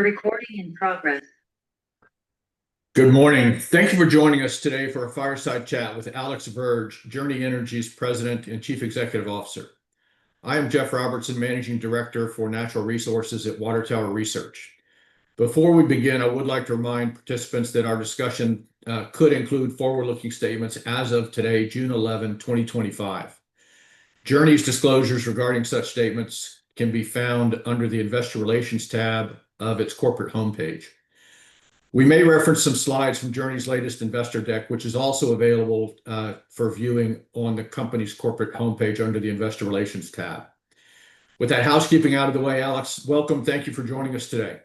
Recording in progress. Good morning. Thank you for joining us today for a fireside chat with Alex Verge, Journey Energy's President and Chief Executive Officer. I am Jeff Robertson, Managing Director for Natural Resources at Water Tower Research. Before we begin, I would like to remind participants that our discussion could include forward-looking statements as of today, June 11, 2025. Journey's disclosures regarding such statements can be found under the Investor Relations tab of its corporate homepage. We may reference some slides from Journey's latest investor deck, which is also available for viewing on the company's corporate homepage under the Investor Relations tab. With that housekeeping out of the way, Alex, welcome. Thank you for joining us today.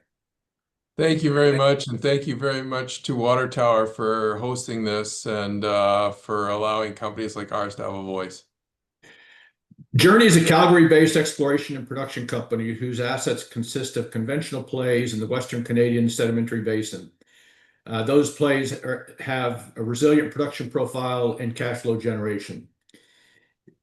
Thank you very much, and thank you very much to Water Tower Research for hosting this and for allowing companies like ours to have a voice. Journey is a Calgary-based exploration and production company whose assets consist of conventional plays in the Western Canadian sedimentary basin. Those plays have a resilient production profile and cash flow generation.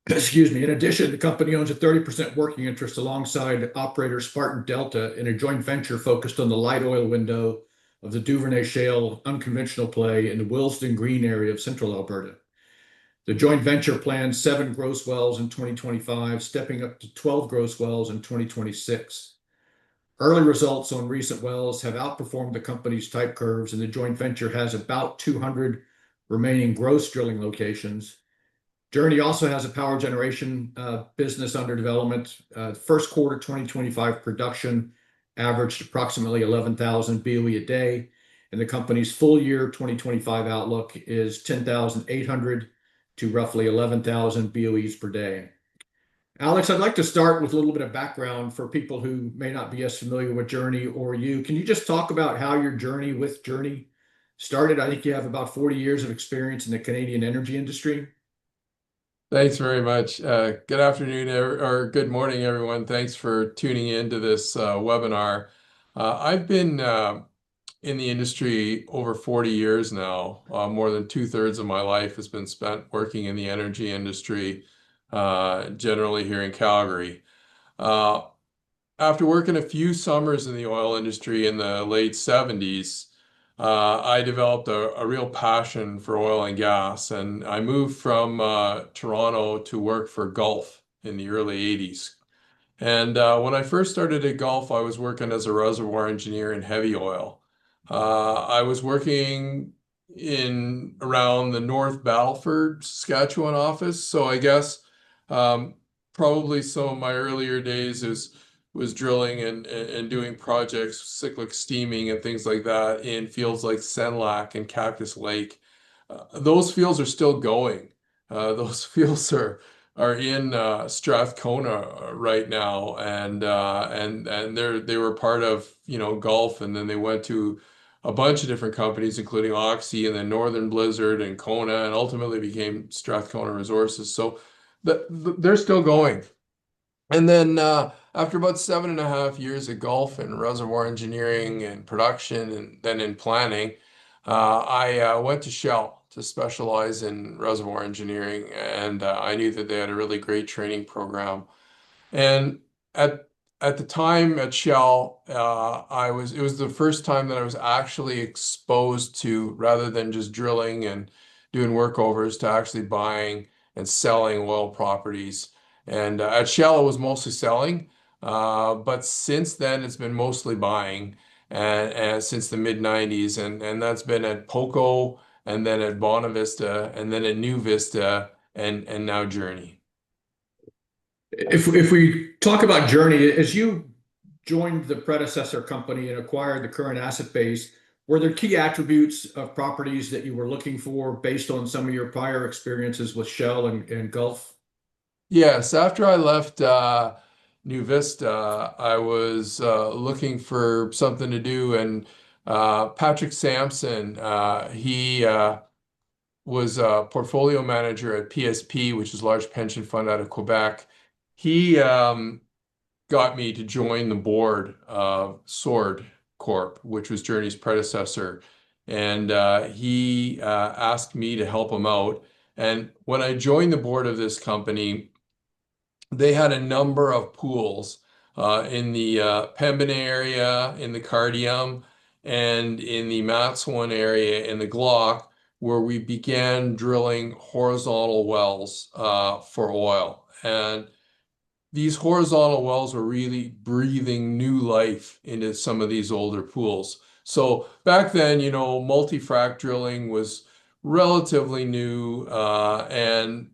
Excuse me. In addition, the company owns a 30% working interest alongside operator Spartan Delta in a joint venture focused on the light oil window of the Duvernay Shale unconventional play in the Willesden Green area of Central Alberta. The joint venture plans seven gross wells in 2025, stepping up to 12 gross wells in 2026. Early results on recent wells have outperformed the company's type curves, and the joint venture has about 200 remaining gross drilling locations. Journey also has a power generation business under development. First quarter 2025 production averaged approximately 11,000 BOE a day, and the company's full year 2025 outlook is 10,800-11,000 BOE per day. Alex, I'd like to start with a little bit of background for people who may not be as familiar with Journey or you. Can you just talk about how your journey with Journey started? I think you have about 40 years of experience in the Canadian energy industry. Thanks very much. Good afternoon or good morning, everyone. Thanks for tuning into this webinar. I've been in the industry over 40 years now. More than 2/3 of my life has been spent working in the energy industry, generally here in Calgary. After working a few summers in the oil industry in the late 1970s, I developed a real passion for oil and gas, and I moved from Toronto to work for Gulf in the early 1980s. When I first started at Gulf, I was working as a reservoir engineer in heavy oil. I was working in around the North Battleford, Saskatchewan office, so I guess probably some of my earlier days was drilling and doing projects, cyclic steaming and things like that in fields like Senlac and Cactus Lake. Those fields are still going. Those fields are in Strathcona right now, and they were part of Gulf, and then they went to a bunch of different companies, including Oxy and then Northern Blizzard and Kona, and ultimately became Strathcona Resources. They are still going. After about 7.5 years at Gulf in reservoir engineering and production, and then in planning, I went to Shell to specialize in reservoir engineering, and I knew that they had a really great training program. At the time at Shell, it was the first time that I was actually exposed to, rather than just drilling and doing workovers, actually buying and selling oil properties. At Shell, it was mostly selling, but since then, it has been mostly buying since the mid-1990s, and that has been at POCO, and then at Bonavista, and then at NuVista, and now Journey. If we talk about Journey, as you joined the predecessor company and acquired the current asset base, were there key attributes of properties that you were looking for based on some of your prior experiences with Shell and Gulf? Yes. After I left NuVista, I was looking for something to do, and Patrick Samson, he was a portfolio manager at PSP, which is a large pension fund out of Quebec. He got me to join the board of Sword Corp, which was Journey's predecessor, and he asked me to help him out. When I joined the board of this company, they had a number of pools in the Pembina area, in the Cardium, and in the Matziwin area in the Glauc, where we began drilling horizontal wells for oil. These horizontal wells were really breathing new life into some of these older pools. Back then, you know, multi-stage fracturing was relatively new, and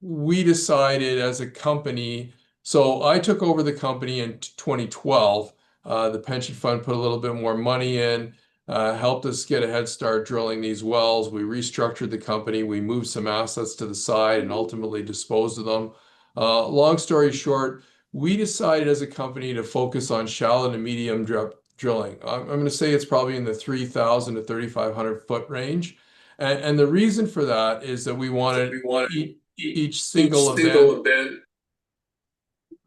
we decided as a company. I took over the company in 2012. The pension fund put a little bit more money in, helped us get a head start drilling these wells. We restructured the company. We moved some assets to the side and ultimately disposed of them. Long story short, we decided as a company to focus on shallow to medium drilling. I'm going to say it's probably in the 3,000-3,500 ft range. The reason for that is that we wanted each single event. Each single event.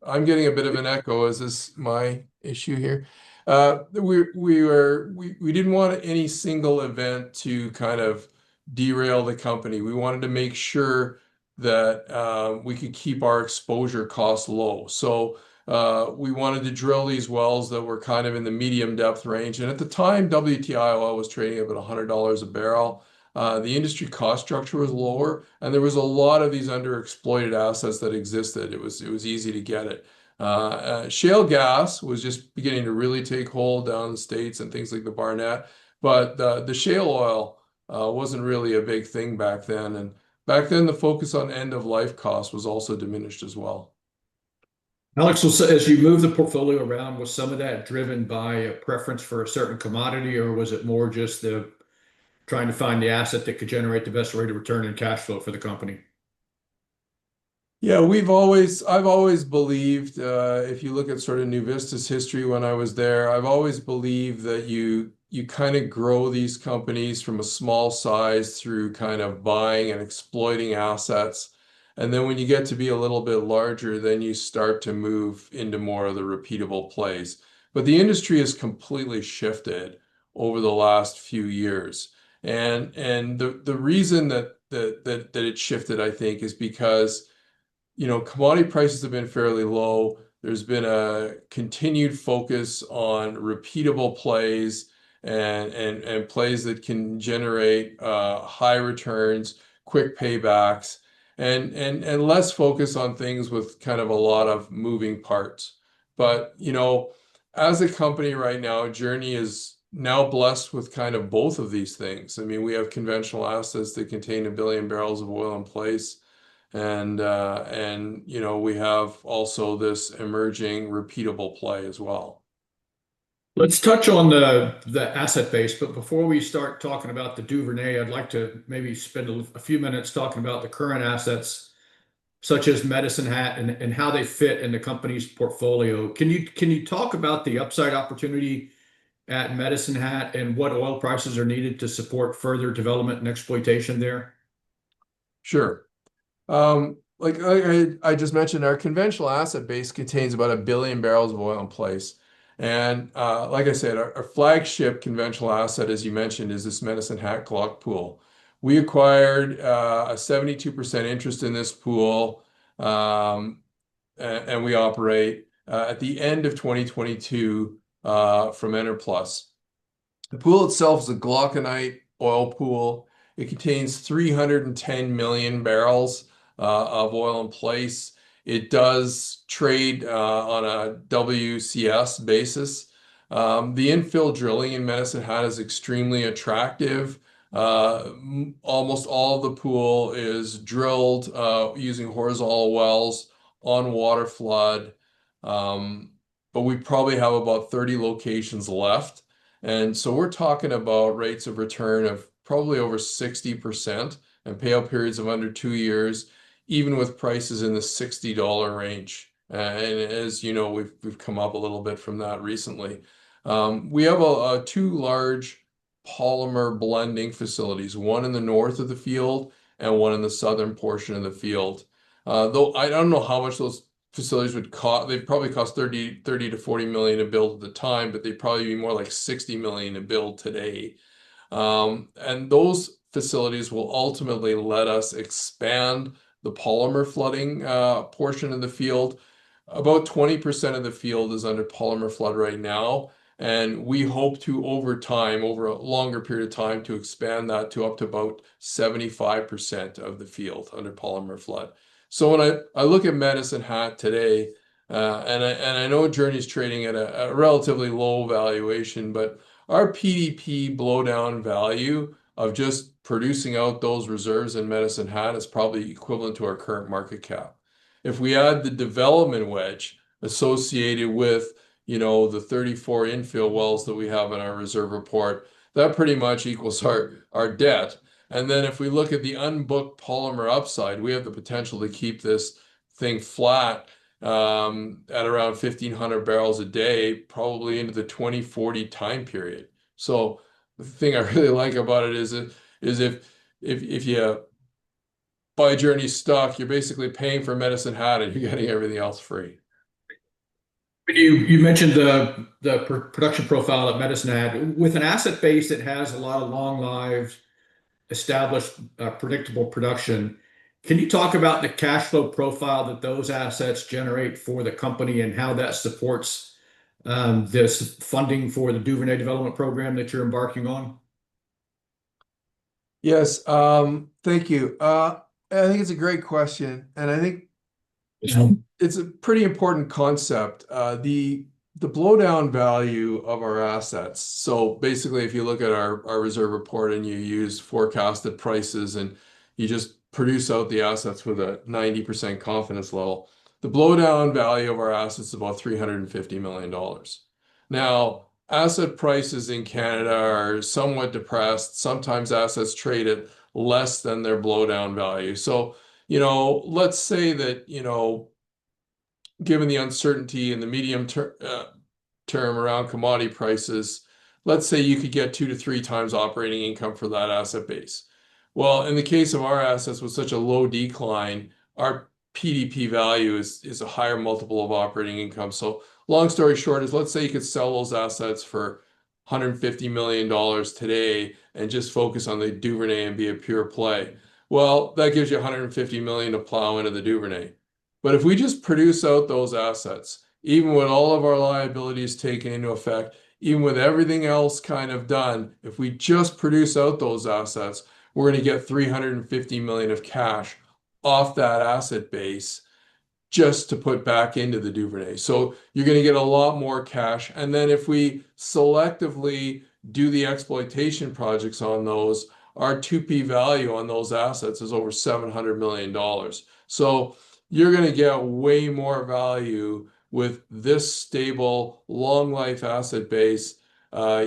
I'm getting a bit of an echo. Is this my issue here? We didn't want any single event to kind of derail the company. We wanted to make sure that we could keep our exposure costs low. We wanted to drill these wells that were kind of in the medium depth range. At the time, WTI was trading at about 100 dollars a barrel. The industry cost structure was lower, and there were a lot of these underexploited assets that existed. It was easy to get it. Shale gas was just beginning to really take hold down in the states and things like the Barnett, but the shale oil wasn't really a big thing back then. Back then, the focus on end-of-life costs was also diminished as well. Alex, as you moved the portfolio around, was some of that driven by a preference for a certain commodity, or was it more just trying to find the asset that could generate the best rate of return and cash flow for the company? Yeah, I've always believed, if you look at sort of NuVista's history when I was there, I've always believed that you kind of grow these companies from a small size through kind of buying and exploiting assets. Then when you get to be a little bit larger, you start to move into more of the repeatable plays. The industry has completely shifted over the last few years. The reason that it shifted, I think, is because commodity prices have been fairly low. There has been a continued focus on repeatable plays and plays that can generate high returns, quick paybacks, and less focus on things with kind of a lot of moving parts. As a company right now, Journey is now blessed with kind of both of these things. I mean, we have conventional assets that contain a billion barrels of oil in place, and we have also this emerging repeatable play as well. Let's touch on the asset base, but before we start talking about the Duvernay, I'd like to maybe spend a few minutes talking about the current assets, such as Medicine Hat and how they fit in the company's portfolio. Can you talk about the upside opportunity at Medicine Hat and what oil prices are needed to support further development and exploitation there? Sure. Like I just mentioned, our conventional asset base contains about a billion barrels of oil in place. Like I said, our flagship conventional asset, as you mentioned, is this Medicine Hat Glauc Pool. We acquired a 72% interest in this pool, and we operate it at the end of 2022 from Enerplus. The pool itself is a Glauconite oil pool. It contains 310 million barrels of oil in place. It does trade on a WCS basis. The infill drilling in Medicine Hat is extremely attractive. Almost all of the pool is drilled using horizontal wells on water flood, but we probably have about 30 locations left. We are talking about rates of return of probably over 60% and payout periods of under two years, even with prices in the 60 dollar range. As you know, we have come up a little bit from that recently. We have two large polymer blending facilities, one in the north of the field and one in the southern portion of the field. Though I don't know how much those facilities would cost, they probably cost 30 million-40 million to build at the time, but they'd probably be more like 60 million to build today. Those facilities will ultimately let us expand the polymer flooding portion of the field. About 20% of the field is under polymer flood right now, and we hope to, over time, over a longer period of time, to expand that to up to about 75% of the field under polymer flood. When I look at Medicine Hat today, and I know Journey's trading at a relatively low valuation, our PDP blowdown value of just producing out those reserves in Medicine Hat is probably equivalent to our current market cap. If we add the development wedge associated with the 34 infill wells that we have in our reserve report, that pretty much equals our debt. If we look at the unbooked polymer upside, we have the potential to keep this thing flat at around 1,500 barrels a day, probably into the 2040 time period. The thing I really like about it is if you buy Journey's stock, you're basically paying for Medicine Hat, and you're getting everything else free. You mentioned the production profile of Medicine Hat. With an asset base that has a lot of long-lived, established, predictable production, can you talk about the cash flow profile that those assets generate for the company and how that supports this funding for the Duvernay development program that you're embarking on? Yes. Thank you. I think it's a great question, and I think it's a pretty important concept. The blowdown value of our assets, so basically if you look at our reserve report and you use forecasted prices and you just produce out the assets with a 90% confidence level, the blowdown value of our assets is about 350 million dollars. Now, asset prices in Canada are somewhat depressed. Sometimes assets trade at less than their blowdown value. Let's say that given the uncertainty in the medium term around commodity prices, you could get two to three times operating income for that asset base. In the case of our assets with such a low decline, our PDP value is a higher multiple of operating income. Long story short is let's say you could sell those assets for 150 million dollars today and just focus on the Duvernay and be a pure play. That gives you 150 million to plow into the Duvernay. If we just produce out those assets, even with all of our liabilities taken into effect, even with everything else kind of done, if we just produce out those assets, we're going to get 350 million of cash off that asset base just to put back into the Duvernay. You're going to get a lot more cash. If we selectively do the exploitation projects on those, our 2P value on those assets is over 700 million dollars. You're going to get way more value with this stable long-life asset base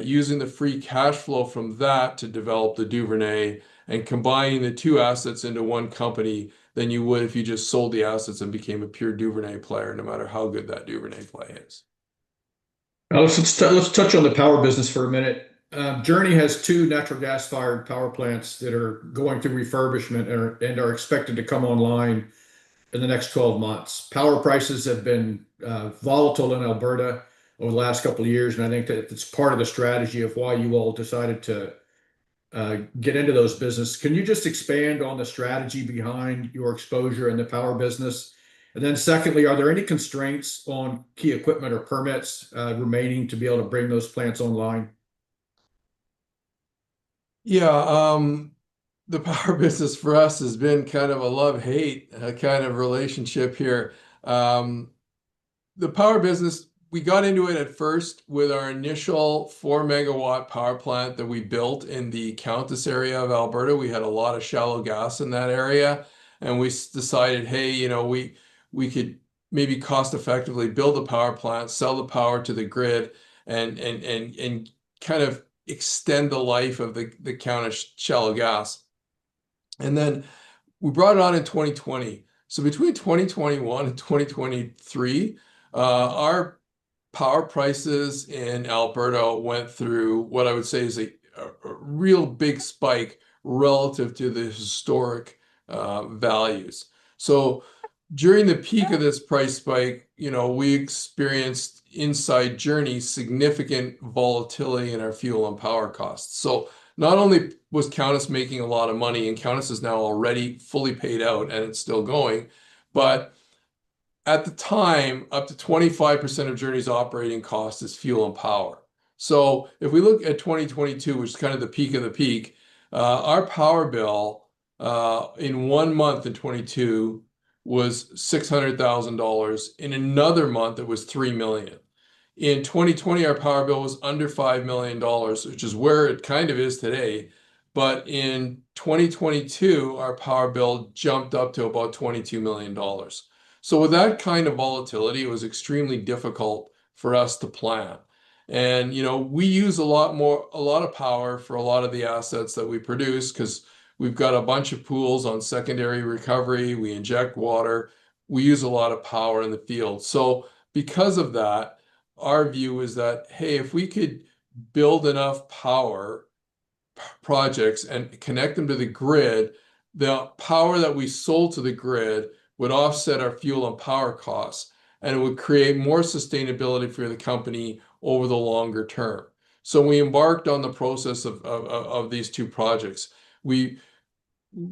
using the free cash flow from that to develop the Duvernay and combining the two assets into one company than you would if you just sold the assets and became a pure Duvernay player, no matter how good that Duvernay play is. Alex, let's touch on the power business for a minute. Journey has two natural gas-fired power plants that are going through refurbishment and are expected to come online in the next 12 months. Power prices have been volatile in Alberta over the last couple of years, and I think that it's part of the strategy of why you all decided to get into those businesses. Can you just expand on the strategy behind your exposure in the power business? Then secondly, are there any constraints on key equipment or permits remaining to be able to bring those plants online? Yeah. The power business for us has been kind of a love-hate kind of relationship here. The power business, we got into it at first with our initial 4 MW power plant that we built in the Countess area of Alberta. We had a lot of shallow gas in that area, and we decided, hey, we could maybe cost-effectively build a power plant, sell the power to the grid, and kind of extend the life of the Countess shallow gas. We brought it on in 2020. Between 2021 and 2023, our power prices in Alberta went through what I would say is a real big spike relative to the historic values. During the peak of this price spike, we experienced inside Journey significant volatility in our fuel and power costs. Not only was Countess making a lot of money, and Countess is now already fully paid out and it's still going, but at the time, up to 25% of Journey's operating cost is fuel and power. If we look at 2022, which is kind of the peak of the peak, our power bill in one month in 2022 was 600,000 dollars. In another month, it was 3 million. In 2020, our power bill was under 5 million dollars, which is where it kind of is today. In 2022, our power bill jumped up to about 22 million dollars. With that kind of volatility, it was extremely difficult for us to plan. We use a lot of power for a lot of the assets that we produce because we've got a bunch of pools on secondary recovery. We inject water. We use a lot of power in the field. Because of that, our view is that, hey, if we could build enough power projects and connect them to the grid, the power that we sold to the grid would offset our fuel and power costs, and it would create more sustainability for the company over the longer term. We embarked on the process of these two projects. We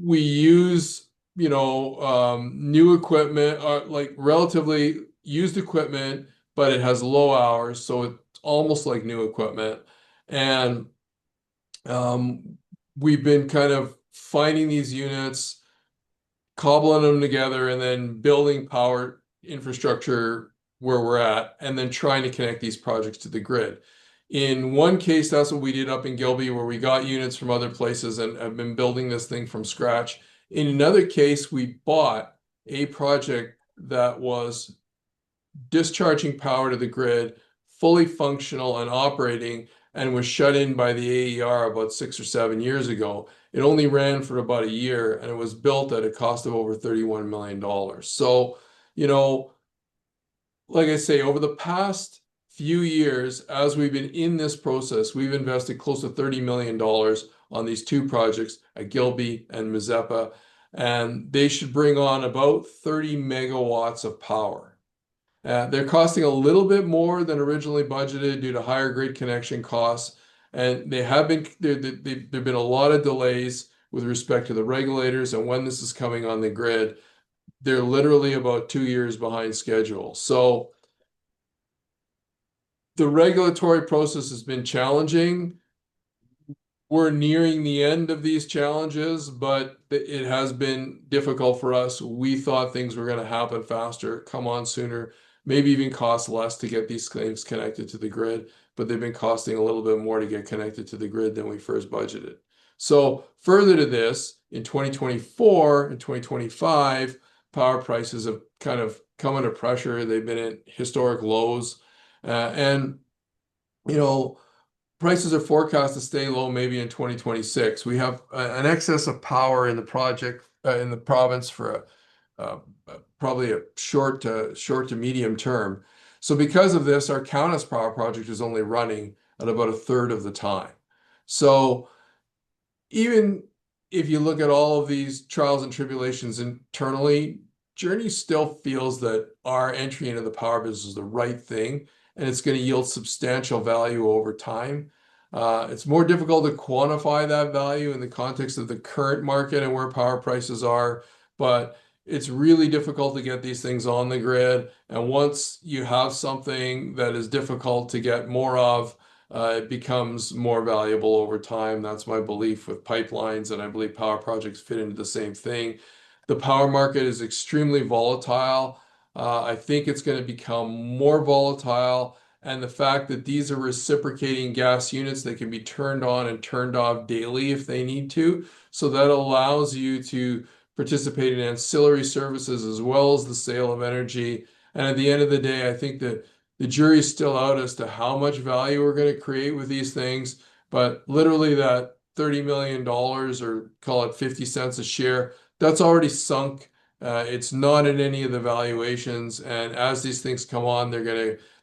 use new equipment, like relatively used equipment, but it has low hours, so it is almost like new equipment. We have been kind of finding these units, cobbling them together, and then building power infrastructure where we are at, and then trying to connect these projects to the grid. In one case, that is what we did up in Gilby, where we got units from other places and have been building this thing from scratch. In another case, we bought a project that was discharging power to the grid, fully functional and operating, and was shut in by the AER about six or seven years ago. It only ran for about a year, and it was built at a cost of over 31 million dollars. Like I say, over the past few years, as we've been in this process, we've invested close to 30 million dollars on these two projects at Gilby and Mazeppa, and they should bring on about 30 MW of power. They're costing a little bit more than originally budgeted due to higher grid connection costs, and there have been a lot of delays with respect to the regulators. When this is coming on the grid, they're literally about two years behind schedule. The regulatory process has been challenging. We're nearing the end of these challenges, but it has been difficult for us. We thought things were going to happen faster, come on sooner, maybe even cost less to get these things connected to the grid, but they've been costing a little bit more to get connected to the grid than we first budgeted. Further to this, in 2024 and 2025, power prices have kind of come under pressure. They've been at historic lows, and prices are forecast to stay low maybe in 2026. We have an excess of power in the project in the province for probably a short to medium term. Because of this, our Countess power project is only running at about 1/3 of the time. Even if you look at all of these trials and tribulations internally, Journey still feels that our entry into the power business is the right thing, and it's going to yield substantial value over time. It's more difficult to quantify that value in the context of the current market and where power prices are, but it's really difficult to get these things on the grid. Once you have something that is difficult to get more of, it becomes more valuable over time. That's my belief with pipelines, and I believe power projects fit into the same thing. The power market is extremely volatile. I think it's going to become more volatile, and the fact that these are reciprocating gas units that can be turned on and turned off daily if they need to. That allows you to participate in ancillary services as well as the sale of energy. At the end of the day, I think that the jury's still out as to how much value we're going to create with these things. Literally, that 30 million dollars, or call it 0.50 a share, that's already sunk. It's not in any of the valuations. As these things come on, they're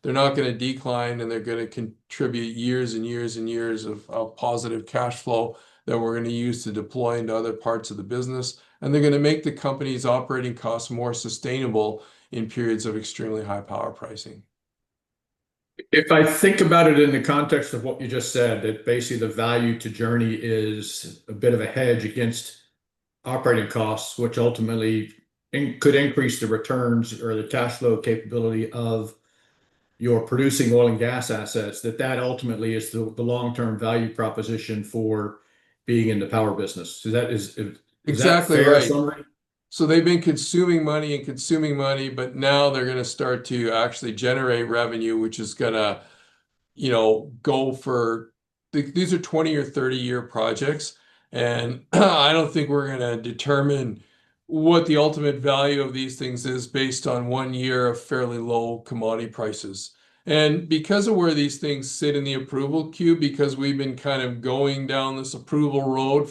not going to decline, and they're going to contribute years and years and years of positive cash flow that we're going to use to deploy into other parts of the business. They're going to make the company's operating costs more sustainable in periods of extremely high power pricing. If I think about it in the context of what you just said, that basically the value to Journey is a bit of a hedge against operating costs, which ultimately could increase the returns or the cash flow capability of your producing oil and gas assets, that that ultimately is the long-term value proposition for being in the power business. That is exactly our summary. Exactly. They've been consuming money and consuming money, but now they're going to start to actually generate revenue, which is going to go for these are 20- or 30-year projects. I don't think we're going to determine what the ultimate value of these things is based on one year of fairly low commodity prices. Because of where these things sit in the approval queue, because we've been kind of going down this approval road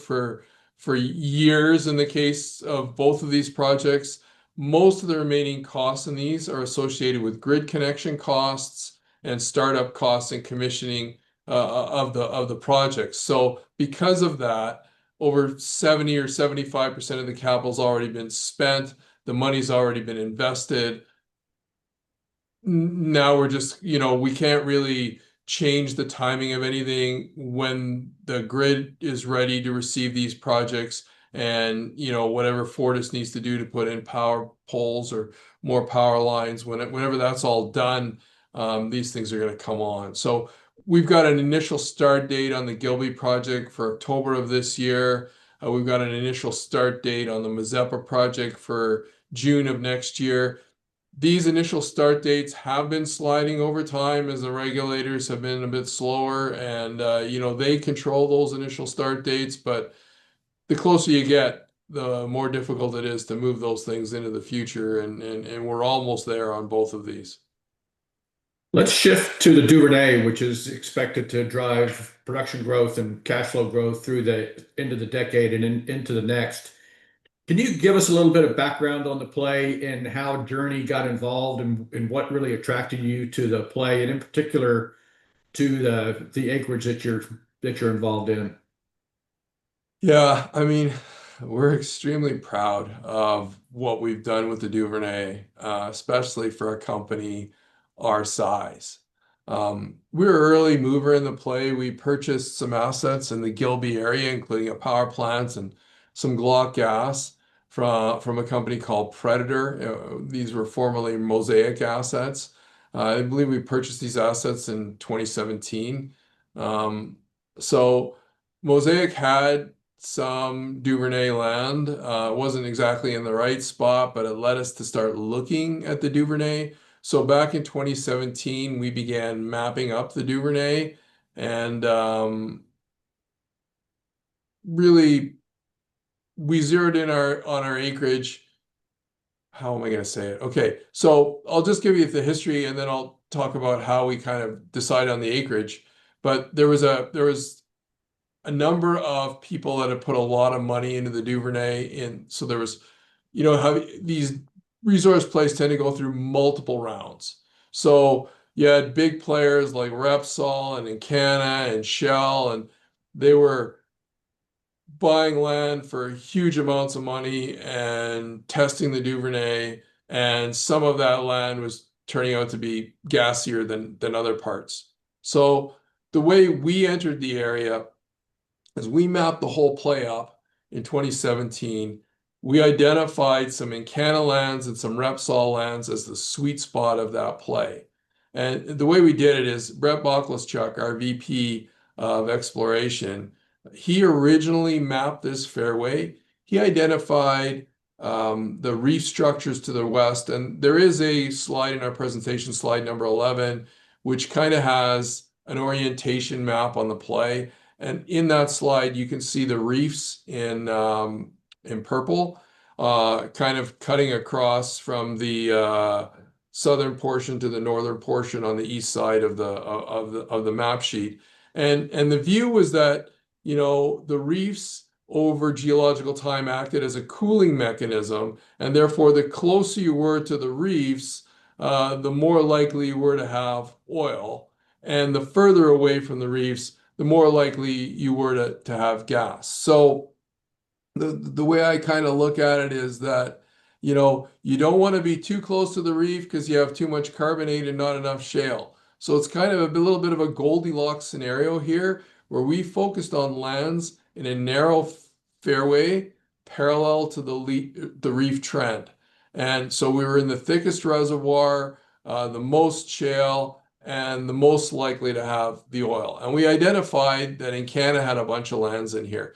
for years in the case of both of these projects, most of the remaining costs in these are associated with grid connection costs and startup costs and commissioning of the projects. Because of that, over 70% or 75% of the capital has already been spent. The money's already been invested. Now we can't really change the timing of anything when the grid is ready to receive these projects and whatever Fortis needs to do to put in power poles or more power lines. Whenever that's all done, these things are going to come on. We've got an initial start date on the Gilby project for October of this year. We've got an initial start date on the Mazeppa project for June of next year. These initial start dates have been sliding over time as the regulators have been a bit slower, and they control those initial start dates. The closer you get, the more difficult it is to move those things into the future. We're almost there on both of these. Let's shift to the Duvernay, which is expected to drive production growth and cash flow growth through the end of the decade and into the next. Can you give us a little bit of background on the play and how Journey got involved and what really attracted you to the play and in particular to the acreage that you're involved in? Yeah. I mean, we're extremely proud of what we've done with the Duvernay, especially for a company our size. We're an early mover in the play. We purchased some assets in the Gilby area, including power plants and some Glauc gas from a company called Predator. These were formerly Mosaic assets. I believe we purchased these assets in 2017. Mosaic had some Duvernay land. It wasn't exactly in the right spot, but it led us to start looking at the Duvernay. Back in 2017, we began mapping up the Duvernay. And really, we zeroed in on our acreage. How am I going to say it? Okay. I'll just give you the history, and then I'll talk about how we kind of decide on the acreage. There was a number of people that had put a lot of money into the Duvernay. These resource plays tend to go through multiple rounds. You had big players like Repsol and Encana and Shell, and they were buying land for huge amounts of money and testing the Duvernay. Some of that land was turning out to be gassier than other parts. The way we entered the area is we mapped the whole play up in 2017. We identified some Encana lands and some Repsol lands as the sweet spot of that play. The way we did it is Brett Boklaschuk, our VP of Exploration, he originally mapped this fairway. He identified the reef structures to the west. There is a slide in our presentation, slide number 11, which kind of has an orientation map on the play. In that slide, you can see the reefs in purple kind of cutting across from the southern portion to the northern portion on the east side of the map sheet. The view was that the reefs over geological time acted as a cooling mechanism. Therefore, the closer you were to the reefs, the more likely you were to have oil. The further away from the reefs, the more likely you were to have gas. The way I kind of look at it is that you do not want to be too close to the reef because you have too much carbonate and not enough shale. It is kind of a little bit of a Goldilocks scenario here where we focused on lands in a narrow fairway parallel to the reef trend. We were in the thickest reservoir, the most shale, and the most likely to have the oil. We identified that Encana had a bunch of lands in here.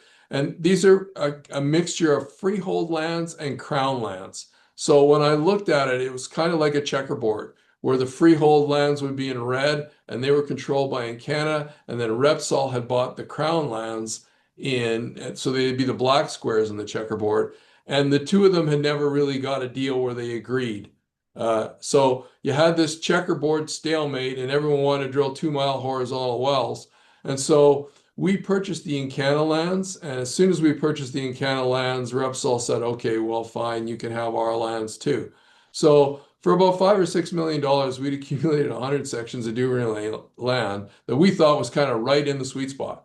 These are a mixture of freehold lands and crown lands. When I looked at it, it was kind of like a checkerboard where the freehold lands would be in red, and they were controlled by Encana. Repsol had bought the crown lands, and they would be the black squares in the checkerboard. The two of them had never really got a deal where they agreed. You had this checkerboard stalemate, and everyone wanted to drill two-mile horizontal wells. We purchased the Encana lands. As soon as we purchased the Encana lands, Repsol said, "Okay, fine, you can have our lands too." For about 5 million or 6 million dollars, we had accumulated 100 sections of Duvernay land that we thought was kind of right in the sweet spot.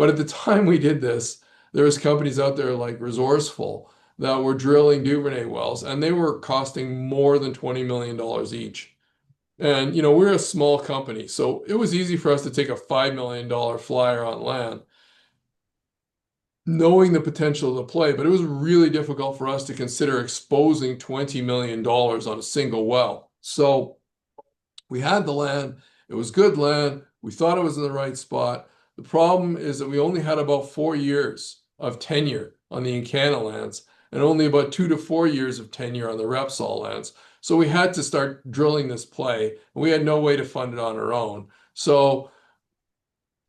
At the time we did this, there were companies out there like Resourceful that were drilling Duvernay wells, and they were costing more than 20 million dollars each. We are a small company, so it was easy for us to take a 5 million dollar flyer on land knowing the potential of the play. It was really difficult for us to consider exposing 20 million dollars on a single well. We had the land. It was good land. We thought it was in the right spot. The problem is that we only had about four years of tenure on the Encana lands and only about two to four years of tenure on the Repsol lands. We had to start drilling this play, and we had no way to fund it on our own.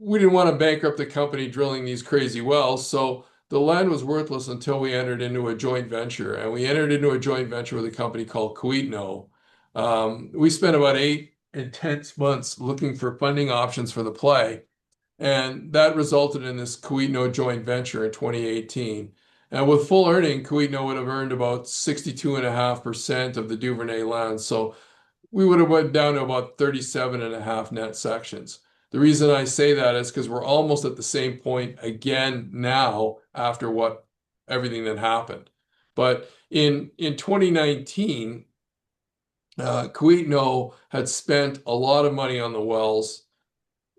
We did not want to bankrupt the company drilling these crazy wells. The land was worthless until we entered into a joint venture. We entered into a joint venture with a company called Kiwetinohk. We spent about eight intense months looking for funding options for the play. That resulted in this Kiwetinohk joint venture in 2018. With full earning, Kiwetinohk would have earned about 62.5% of the Duvernay lands. We would have went down to about 37.5 net sections. The reason I say that is because we're almost at the same point again now after everything that happened. In 2019, Kiwetinohk had spent a lot of money on the wells.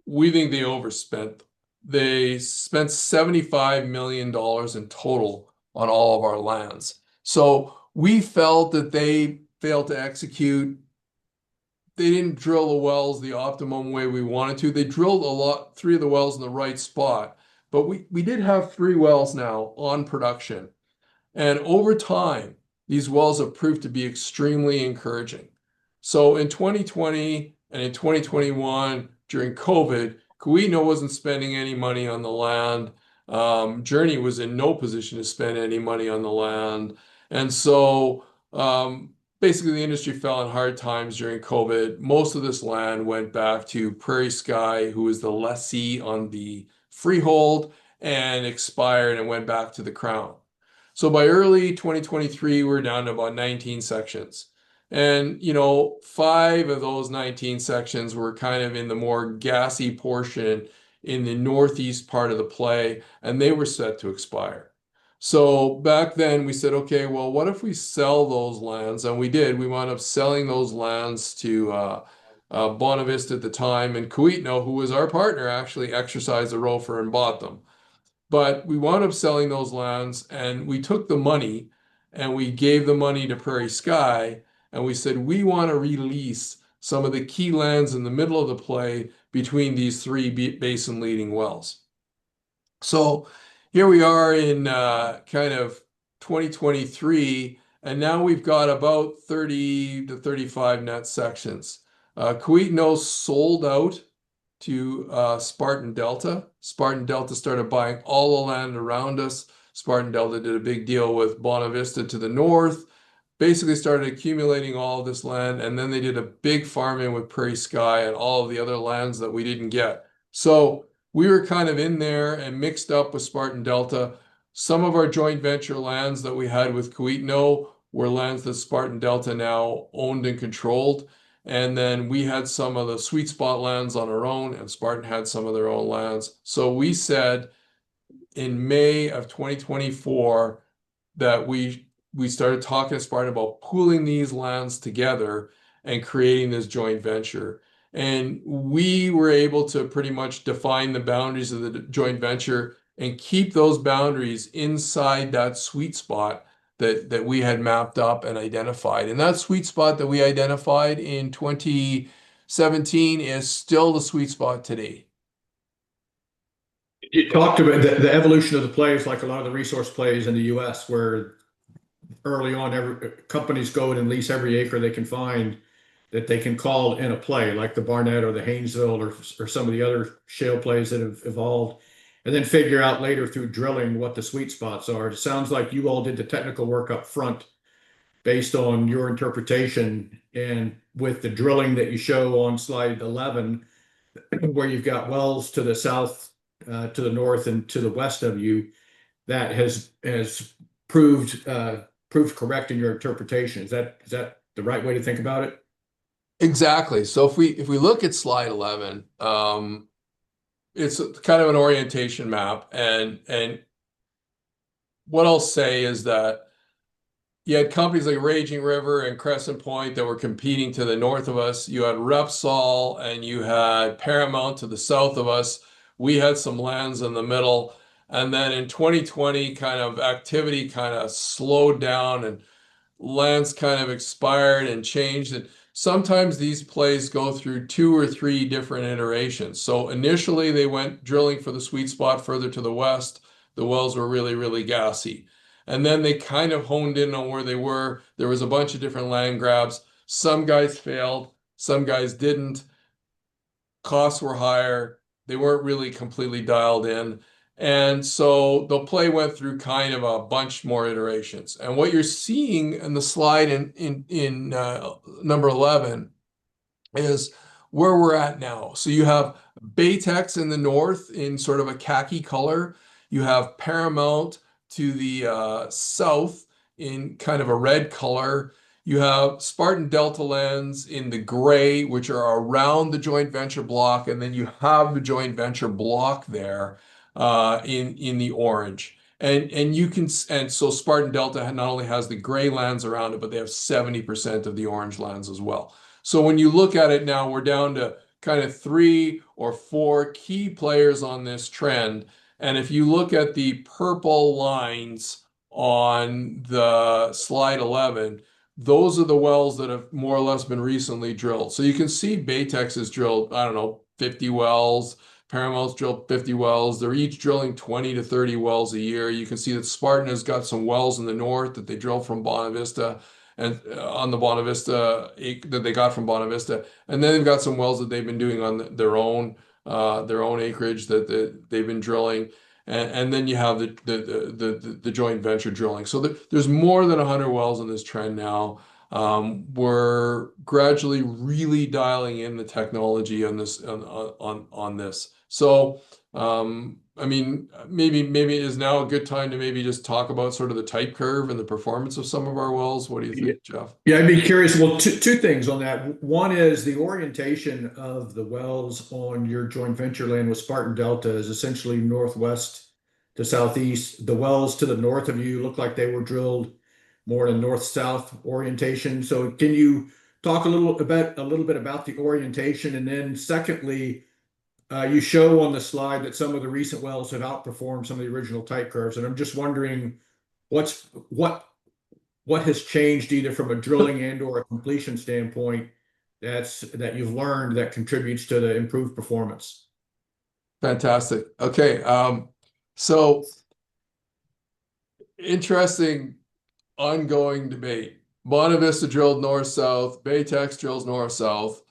We think they overspent. They spent 75 million dollars in total on all of our lands. We felt that they failed to execute. They did not drill the wells the optimum way we wanted to. They drilled three of the wells in the right spot. We did have three wells now on production. Over time, these wells have proved to be extremely encouraging. In 2020 and in 2021, during COVID, Kiwetinohk was not spending any money on the land. Journey was in no position to spend any money on the land. Basically, the industry fell in hard times during COVID. Most of this land went back to PrairieSky, who is the lessee on the freehold, and expired and went back to the crown. By early 2023, we were down to about 19 sections. Five of those 19 sections were kind of in the more gassy portion in the northeast part of the play, and they were set to expire. Back then, we said, "Okay, what if we sell those lands?" We did. We wound up selling those lands to Bonavista at the time. Kiwetinohk, who was our partner, actually exercised the role for and bought them. We wound up selling those lands, and we took the money, and we gave the money to PrairieSky. We said, "We want to release some of the key lands in the middle of the play between these three basin-leading wells." Here we are in kind of 2023, and now we've got about 30-35 net sections. Kiwetinohk sold out to Spartan Delta. Spartan Delta started buying all the land around us. Spartan Delta did a big deal with Bonavista to the north, basically started accumulating all of this land. They did a big farm-in with PrairieSky and all of the other lands that we didn't get. We were kind of in there and mixed up with Spartan Delta. Some of our joint venture lands that we had with Kiwetinohk were lands that Spartan Delta now owned and controlled. We had some of the sweet spot lands on our own, and Spartan had some of their own lands. We said in May of 2024 that we started talking to Spartan about pooling these lands together and creating this joint venture. We were able to pretty much define the boundaries of the joint venture and keep those boundaries inside that sweet spot that we had mapped up and identified. That sweet spot that we identified in 2017 is still the sweet spot today. You talked about the evolution of the plays, like a lot of the resource plays in the U.S., where early on, companies go and lease every acre they can find that they can call in a play, like the Barnett or the Haynesville or some of the other shale plays that have evolved, and then figure out later through drilling what the sweet spots are. It sounds like you all did the technical work upfront based on your interpretation. And with the drilling that you show on slide 11, where you've got wells to the south, to the north, and to the west of you, that has proved correct in your interpretation. Is that the right way to think about it? Exactly. If we look at slide 11, it's kind of an orientation map. What I'll say is that you had companies like Raging River and Crescent Point that were competing to the north of us. You had Repsol, and you had Paramount to the south of us. We had some lands in the middle. In 2020, activity kind of slowed down, and lands expired and changed. Sometimes these plays go through two or three different iterations. Initially, they went drilling for the sweet spot further to the west. The wells were really, really gassy. Then they kind of honed in on where they were. There was a bunch of different land grabs. Some guys failed. Some guys did not. Costs were higher. They were not really completely dialed in. The play went through a bunch more iterations. What you're seeing in slide number 11 is where we're at now. You have Baytex in the north in sort of a khaki color. You have Paramount to the south in kind of a red color. You have Spartan Delta lands in the gray, which are around the joint venture block. You have the joint venture block there in the orange. Spartan Delta not only has the gray lands around it, but they have 70% of the orange lands as well. When you look at it now, we're down to kind of three or four key players on this trend. If you look at the purple lines on slide 11, those are the wells that have more or less been recently drilled. You can see Baytex has drilled, I don't know, 50 wells. Paramount's drilled 50 wells. They're each drilling 20-30 wells a year. You can see that Spartan has got some wells in the north that they drilled from Bonavista on the Bonavista that they got from Bonavista. They have some wells that they've been doing on their own acreage that they've been drilling. You have the joint venture drilling. There are more than 100 wells in this trend now. We're gradually really dialing in the technology on this. I mean, maybe it is now a good time to maybe just talk about sort of the type curve and the performance of some of our wells. What do you think, Jeff? Yeah, I'd be curious. Two things on that. One is the orientation of the wells on your joint venture land with Spartan Delta is essentially northwest to southeast. The wells to the north of you look like they were drilled more in a north-south orientation. Can you talk a little bit about the orientation? Secondly, you show on the slide that some of the recent wells have outperformed some of the original type curves. I'm just wondering what has changed either from a drilling and/or a completion standpoint that you've learned that contributes to the improved performance? Fantastic. Okay. Interesting ongoing debate. Bonavista drilled north-south. Baytex drills north-south.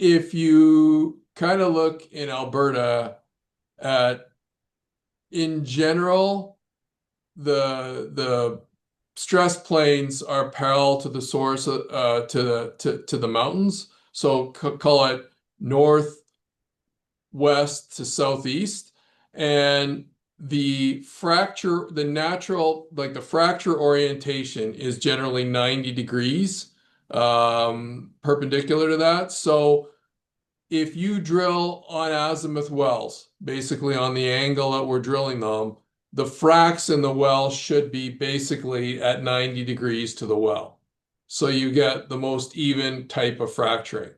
If you kind of look in Alberta at, in general, the stress planes are parallel to the source to the mountains. Call it northwest to southeast. The natural orientation is generally 90 degrees perpendicular to that. If you drill on azimuth wells, basically on the angle that we are drilling them, the fracts in the well should be basically at 90 degrees to the well. You get the most even type of fracturing.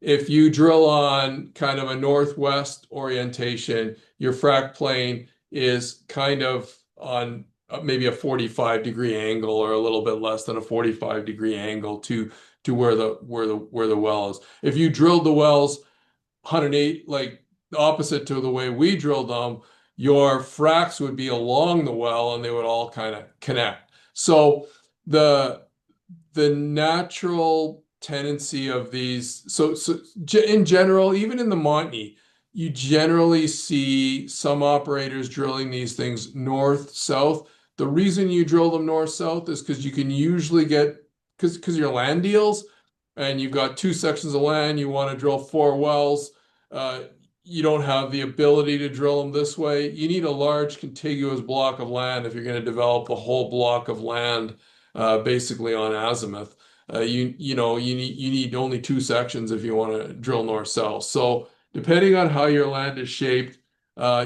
If you drill on kind of a northwest orientation, your fract plane is kind of on maybe a 45-degree angle or a little bit less than a 45-degree angle to where the well is. If you drilled the wells opposite to the way we drilled them, your fracts would be along the well, and they would all kind of connect. The natural tendency of these—in general, even in the Montney, you generally see some operators drilling these things north-south. The reason you drill them north-south is because you can usually get—because your land deals, and you have two sections of land, you want to drill four wells. You do not have the ability to drill them this way. You need a large contiguous block of land if you are going to develop a whole block of land basically on azimuth. You need only two sections if you want to drill north-south. Depending on how your land is shaped,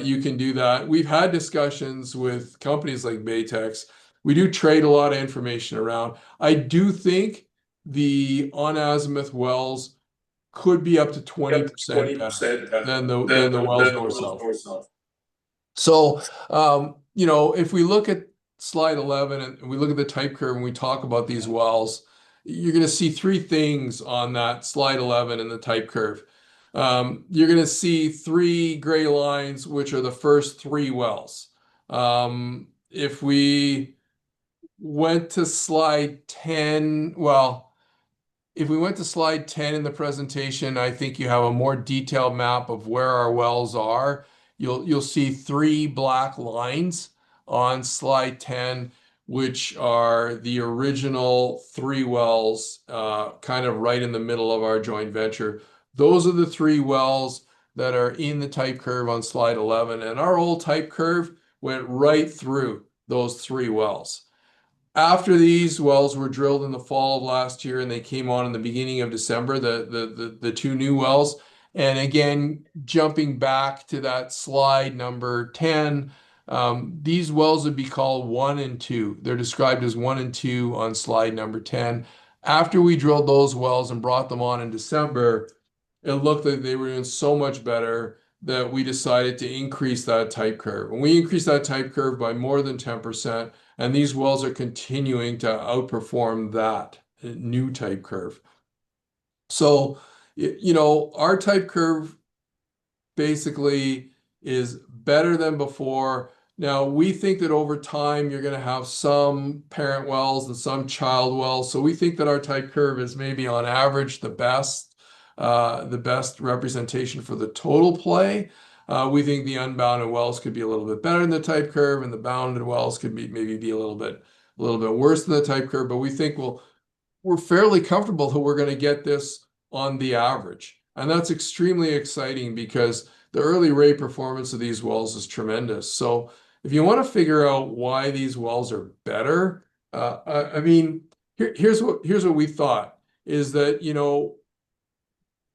you can do that. We have had discussions with companies like Baytex. We do trade a lot of information around. I do think the on-azimuth wells could be up to 20% better than the wells north-south. If we look at slide 11, and we look at the type curve, and we talk about these wells, you're going to see three things on that slide 11 in the type curve. You're going to see three gray lines, which are the first three wells. If we went to slide 10, if we went to slide 10 in the presentation, I think you have a more detailed map of where our wells are. You'll see three black lines on slide 10, which are the original three wells kind of right in the middle of our joint venture. Those are the three wells that are in the type curve on slide 11. Our old type curve went right through those three wells. After these wells were drilled in the fall of last year, and they came on in the beginning of December, the two new wells. Again, jumping back to that slide number 10, these wells would be called one and two. They are described as one and two on slide number 10. After we drilled those wells and brought them on in December, it looked like they were doing so much better that we decided to increase that type curve. We increased that type curve by more than 10%. These wells are continuing to outperform that new type curve. Our type curve basically is better than before. We think that over time, you are going to have some parent wells and some child wells. We think that our type curve is maybe on average the best representation for the total play. We think the unbounded wells could be a little bit better than the type curve, and the bounded wells could maybe be a little bit worse than the type curve. We think we are fairly comfortable that we are going to get this on the average. That is extremely exciting because the early rate performance of these wells is tremendous. If you want to figure out why these wells are better, I mean, here is what we thought.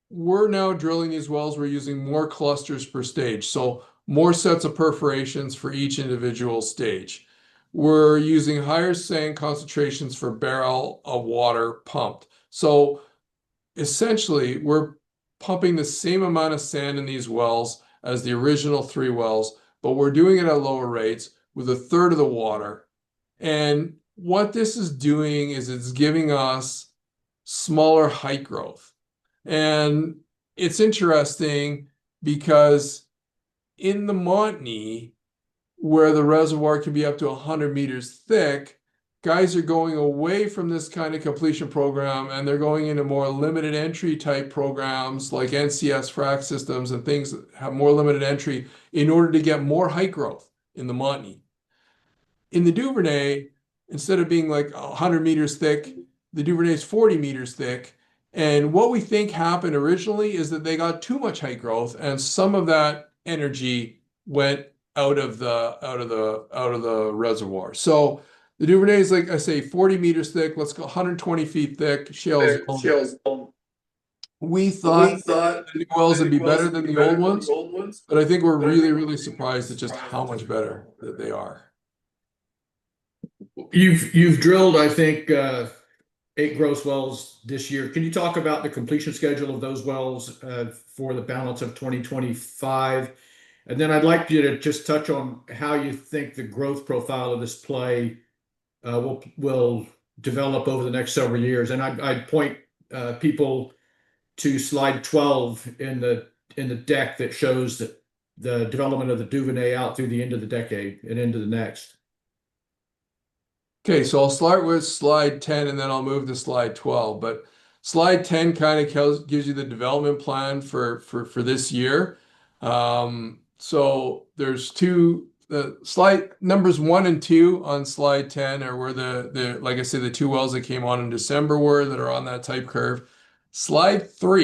We are now drilling these wells, we are using more clusters per stage, so more sets of perforations for each individual stage. We are using higher sand concentrations per barrel of water pumped. Essentially, we are pumping the same amount of sand in these wells as the original three wells, but we are doing it at lower rates with a third of the water. What this is doing is it is giving us smaller height growth. It's interesting because in the Montney, where the reservoir can be up to 100 meters thick, guys are going away from this kind of completion program, and they're going into more limited entry type programs like NCS fract systems and things that have more limited entry in order to get more height growth in the Montney. In the Duvernay, instead of being like 100 meters thick, the Duvernay is 40 meters thick. What we think happened originally is that they got too much height growth, and some of that energy went out of the reservoir. The Duvernay is, like I say, 40 meters thick. Let's go 120 ft thick shale zone. We thought the new wells would be better than the old ones, but I think we're really, really surprised at just how much better that they are. You've drilled, I think, eight gross wells this year. Can you talk about the completion schedule of those wells for the balance of 2025? I would like you to just touch on how you think the growth profile of this play will develop over the next several years. I would point people to slide 12 in the deck that shows the development of the Duvernay out through the end of the decade and into the next. Okay. I'll start with slide 10, and then I'll move to slide 12. Slide 10 kind of gives you the development plan for this year. There are two numbers, one and two, on slide 10, where, like I say, the two wells that came on in December were that are on that type curve. Circle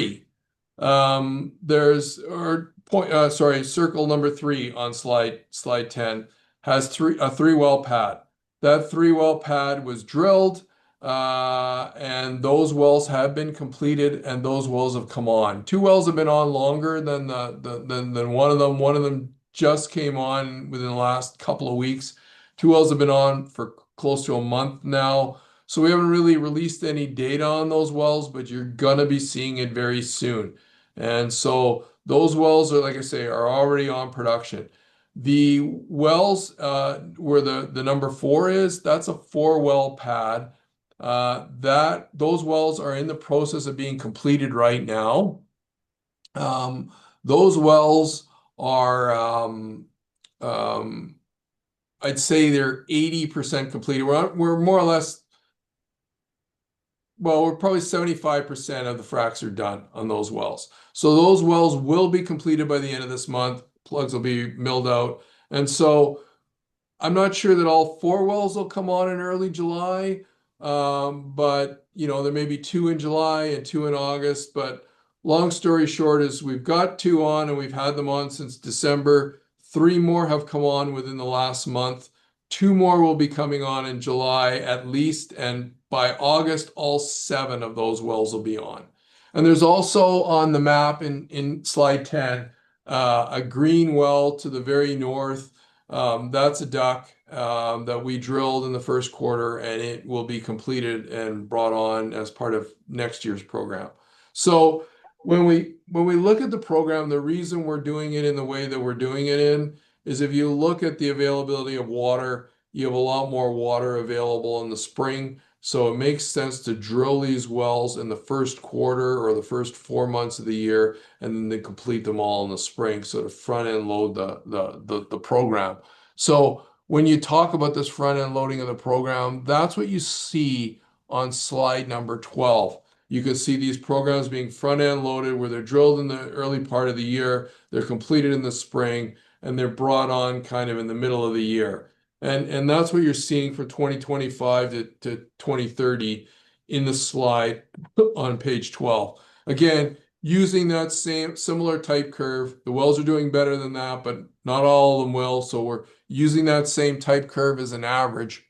number three on slide 10 has a three-well pad. That three-well pad was drilled, and those wells have been completed, and those wells have come on. Two wells have been on longer than one of them. One of them just came on within the last couple of weeks. Two wells have been on for close to a month now. We haven't really released any data on those wells, but you're going to be seeing it very soon. Those wells, like I say, are already on production. The wells where the number four is, that is a four-well pad. Those wells are in the process of being completed right now. Those wells, I would say they are 80% completed. We are more or less—well, we are probably 75% of the fracts are done on those wells. Those wells will be completed by the end of this month. Plugs will be milled out. I am not sure that all four wells will come on in early July, but there may be two in July and two in August. Long story short, we have two on, and we have had them on since December, three more have come on within the last month. Two more will be coming on in July at least. By August, all seven of those wells will be on. There is also on the map in slide 10, a green well to the very north. That's a duck that we drilled in the first quarter, and it will be completed and brought on as part of next year's program. When we look at the program, the reason we're doing it in the way that we're doing it in is if you look at the availability of water, you have a lot more water available in the spring. It makes sense to drill these wells in the first quarter or the first four months of the year and then complete them all in the spring to front-end load the program. When you talk about this front-end loading of the program, that's what you see on slide number 12. You can see these programs being front-end loaded where they're drilled in the early part of the year. They're completed in the spring, and they're brought on kind of in the middle of the year. That's what you're seeing for 2025-2030 in the slide on page 12. Again, using that same similar type curve, the wells are doing better than that, but not all of them will. We're using that same type curve as an average.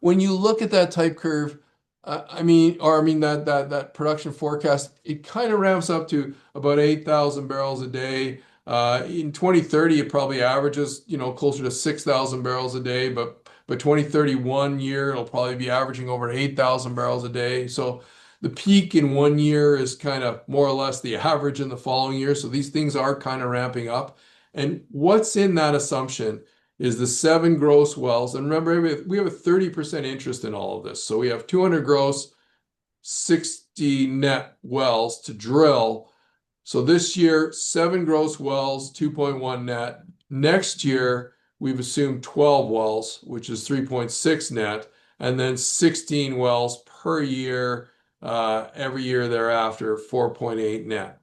When you look at that type curve, I mean, or I mean that production forecast, it kind of ramps up to about 8,000 barrels a day. In 2030, it probably averages closer to 6,000 barrels a day. By 2031, it'll probably be averaging over 8,000 barrels a day. The peak in one year is kind of more or less the average in the following year. These things are kind of ramping up. What's in that assumption is the seven gross wells. Remember, we have a 30% interest in all of this. We have 200 gross, 60 net wells to drill. This year, seven gross wells, 2.1 net. Next year, we have assumed 12 wells, which is 3.6 net, and then 16 wells per year, every year thereafter, 4.8 net.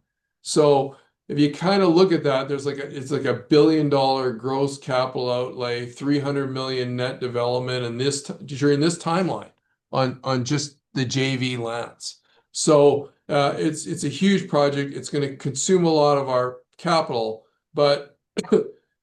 If you kind of look at that, it is like a 1 billion dollar gross capital outlay, 300 million net development during this timeline on just the JV lands. It is a huge project. It is going to consume a lot of our capital.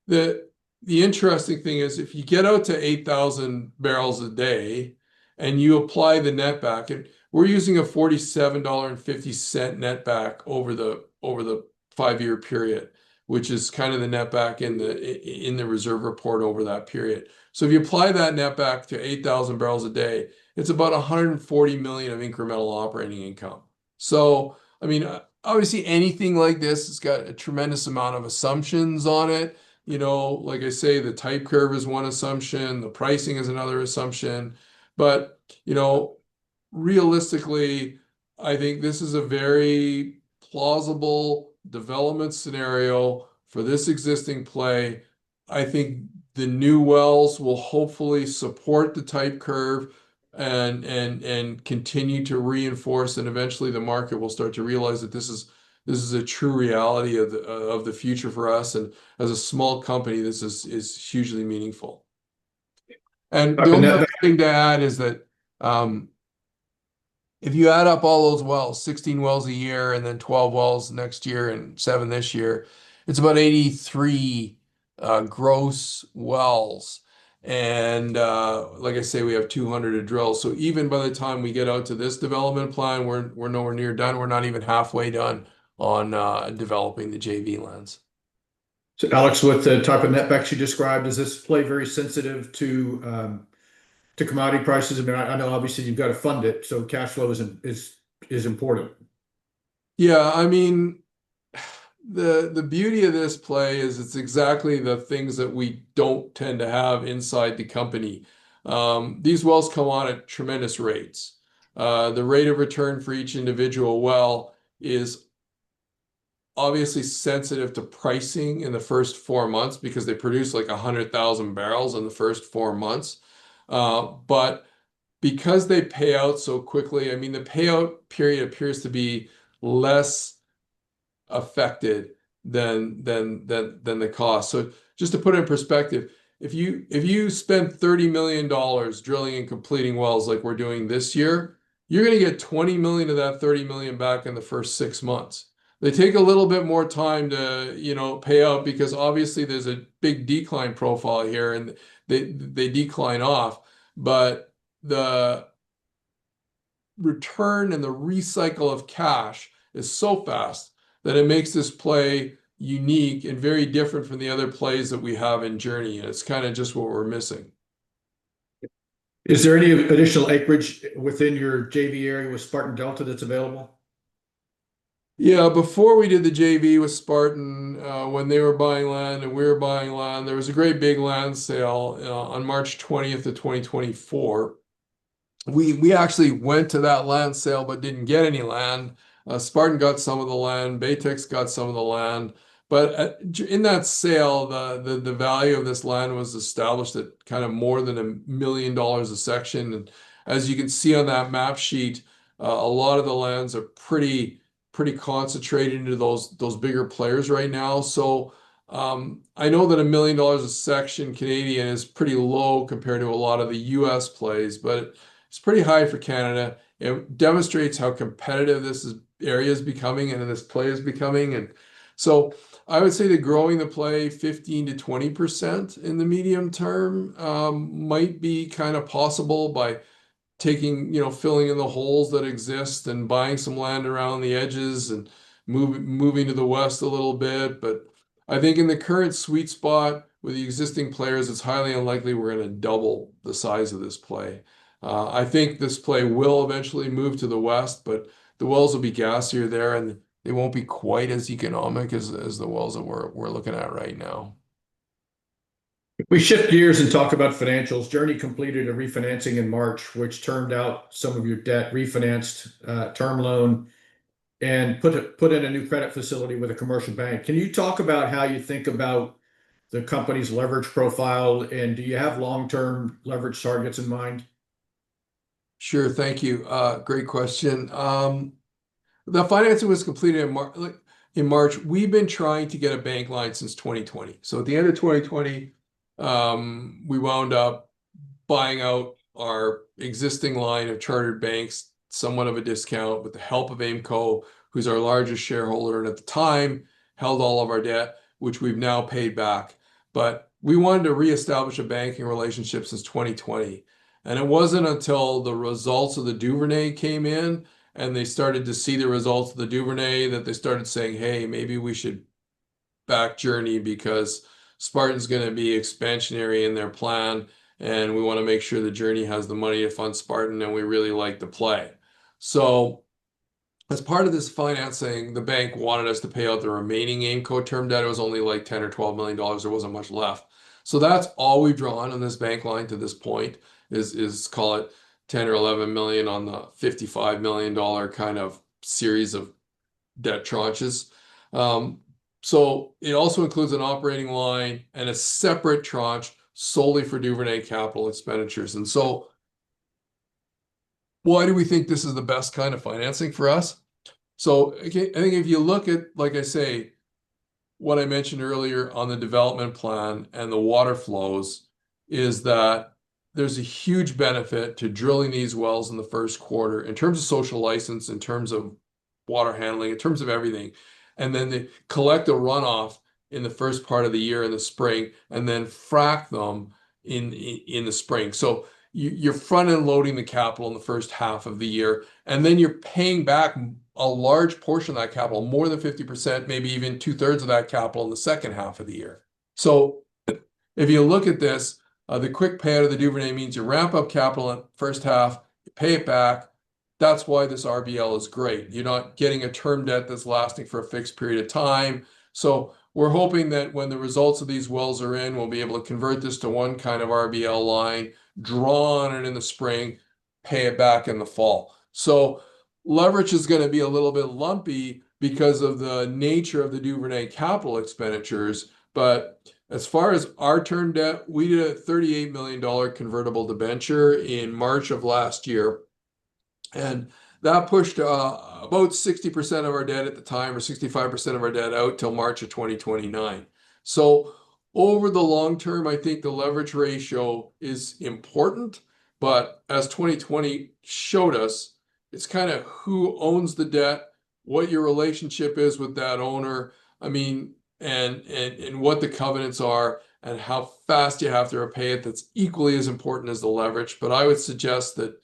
The interesting thing is if you get out to 8,000 barrels a day and you apply the netback, we are using a 47.50 dollar netback over the five-year period, which is kind of the netback in the reserve report over that period. If you apply that netback to 8,000 barrels a day, it's about 140 million of incremental operating income. I mean, obviously, anything like this, it's got a tremendous amount of assumptions on it. Like I say, the type curve is one assumption. The pricing is another assumption. Realistically, I think this is a very plausible development scenario for this existing play. I think the new wells will hopefully support the type curve and continue to reinforce. Eventually, the market will start to realize that this is a true reality of the future for us. As a small company, this is hugely meaningful. Another thing to add is that if you add up all those wells, 16 wells a year, and then 12 wells next year and seven this year, it's about 83 gross wells. Like I say, we have 200 to drill. Even by the time we get out to this development plan, we're nowhere near done. We're not even halfway done on developing the JV lands. Alex, with the type of netback you described, is this play very sensitive to commodity prices? I mean, I know, obviously, you've got to fund it. So cash flow is important. Yeah. I mean, the beauty of this play is it's exactly the things that we don't tend to have inside the company. These wells come on at tremendous rates. The rate of return for each individual well is obviously sensitive to pricing in the first four months because they produce like 100,000 barrels in the first four months. Because they pay out so quickly, I mean, the payout period appears to be less affected than the cost. Just to put it in perspective, if you spend 30 million dollars drilling and completing wells like we're doing this year, you're going to get 20 million of that 30 million back in the first six months. They take a little bit more time to pay out because, obviously, there's a big decline profile here, and they decline off. The return and the recycle of cash is so fast that it makes this play unique and very different from the other plays that we have in Journey. It's kind of just what we're missing. Is there any additional acreage within your JV area with Spartan Delta that's available? Yeah. Before we did the JV with Spartan, when they were buying land and we were buying land, there was a great big land sale on March 20th, 2024. We actually went to that land sale but did not get any land. Spartan got some of the land. Baytex got some of the land. In that sale, the value of this land was established at kind of more than 1 million dollars a section. As you can see on that map sheet, a lot of the lands are pretty concentrated into those bigger players right now. I know that 1 million dollars a section is pretty low compared to a lot of the U.S. plays, but it is pretty high for Canada. It demonstrates how competitive this area is becoming and this play is becoming. I would say that growing the play 15%-20% in the medium term might be kind of possible by filling in the holes that exist and buying some land around the edges and moving to the west a little bit. I think in the current sweet spot with the existing players, it's highly unlikely we're going to double the size of this play. I think this play will eventually move to the west, but the wells will be gassier there, and they won't be quite as economic as the wells that we're looking at right now. If we shift gears and talk about financials, Journey completed a refinancing in March, which turned out some of your debt, refinanced term loan, and put in a new credit facility with a commercial bank. Can you talk about how you think about the company's leverage profile, and do you have long-term leverage targets in mind? Sure. Thank you. Great question. The financing was completed in March. We've been trying to get a bank line since 2020. At the end of 2020, we wound up buying out our existing line of chartered banks at somewhat of a discount with the help of AIMCo, who's our largest shareholder, and at the time held all of our debt, which we've now paid back. We wanted to reestablish a banking relationship since 2020. It was not until the results of the Duvernay came in and they started to see the results of the Duvernay that they started saying, "Hey, maybe we should back Journey because Spartan's going to be expansionary in their plan, and we want to make sure that Journey has the money to fund Spartan, and we really like the play." As part of this financing, the bank wanted us to pay out the remaining AIMCo term debt. It was only like 10 million or 12 million dollars. There was not much left. That is all we have drawn on this bank line to this point, call it 10 million or 11 million on the 55 million dollar kind of series of debt tranches. It also includes an operating line and a separate tranche solely for Duvernay capital expenditures. Why do we think this is the best kind of financing for us? I think if you look at, like I say, what I mentioned earlier on the development plan and the water flows, there is a huge benefit to drilling these wells in the first quarter in terms of social license, in terms of water handling, in terms of everything, and then collect a runoff in the first part of the year in the spring and then frac them in the spring. You are front-end loading the capital in the first half of the year, and then you are paying back a large portion of that capital, more than 50%, maybe even 2/3 of that capital in the second half of the year. If you look at this, the quick payout of the Duvernay means you ramp up capital in the first half, pay it back. That is why this RBL is great. You are not getting a term debt that is lasting for a fixed period of time. We are hoping that when the results of these wells are in, we will be able to convert this to one kind of RBL line, draw on it in the spring, pay it back in the fall. Leverage is going to be a little bit lumpy because of the nature of the Duvernay capital expenditures. As far as our term debt, we did a 38 million dollar convertible debenture in March of last year. That pushed about 60% of our debt at the time or 65% of our debt out till March of 2029. Over the long term, I think the leverage ratio is important. As 2020 showed us, it is kind of who owns the debt, what your relationship is with that owner, I mean, and what the covenants are and how fast you have to repay it. That is equally as important as the leverage. I would suggest that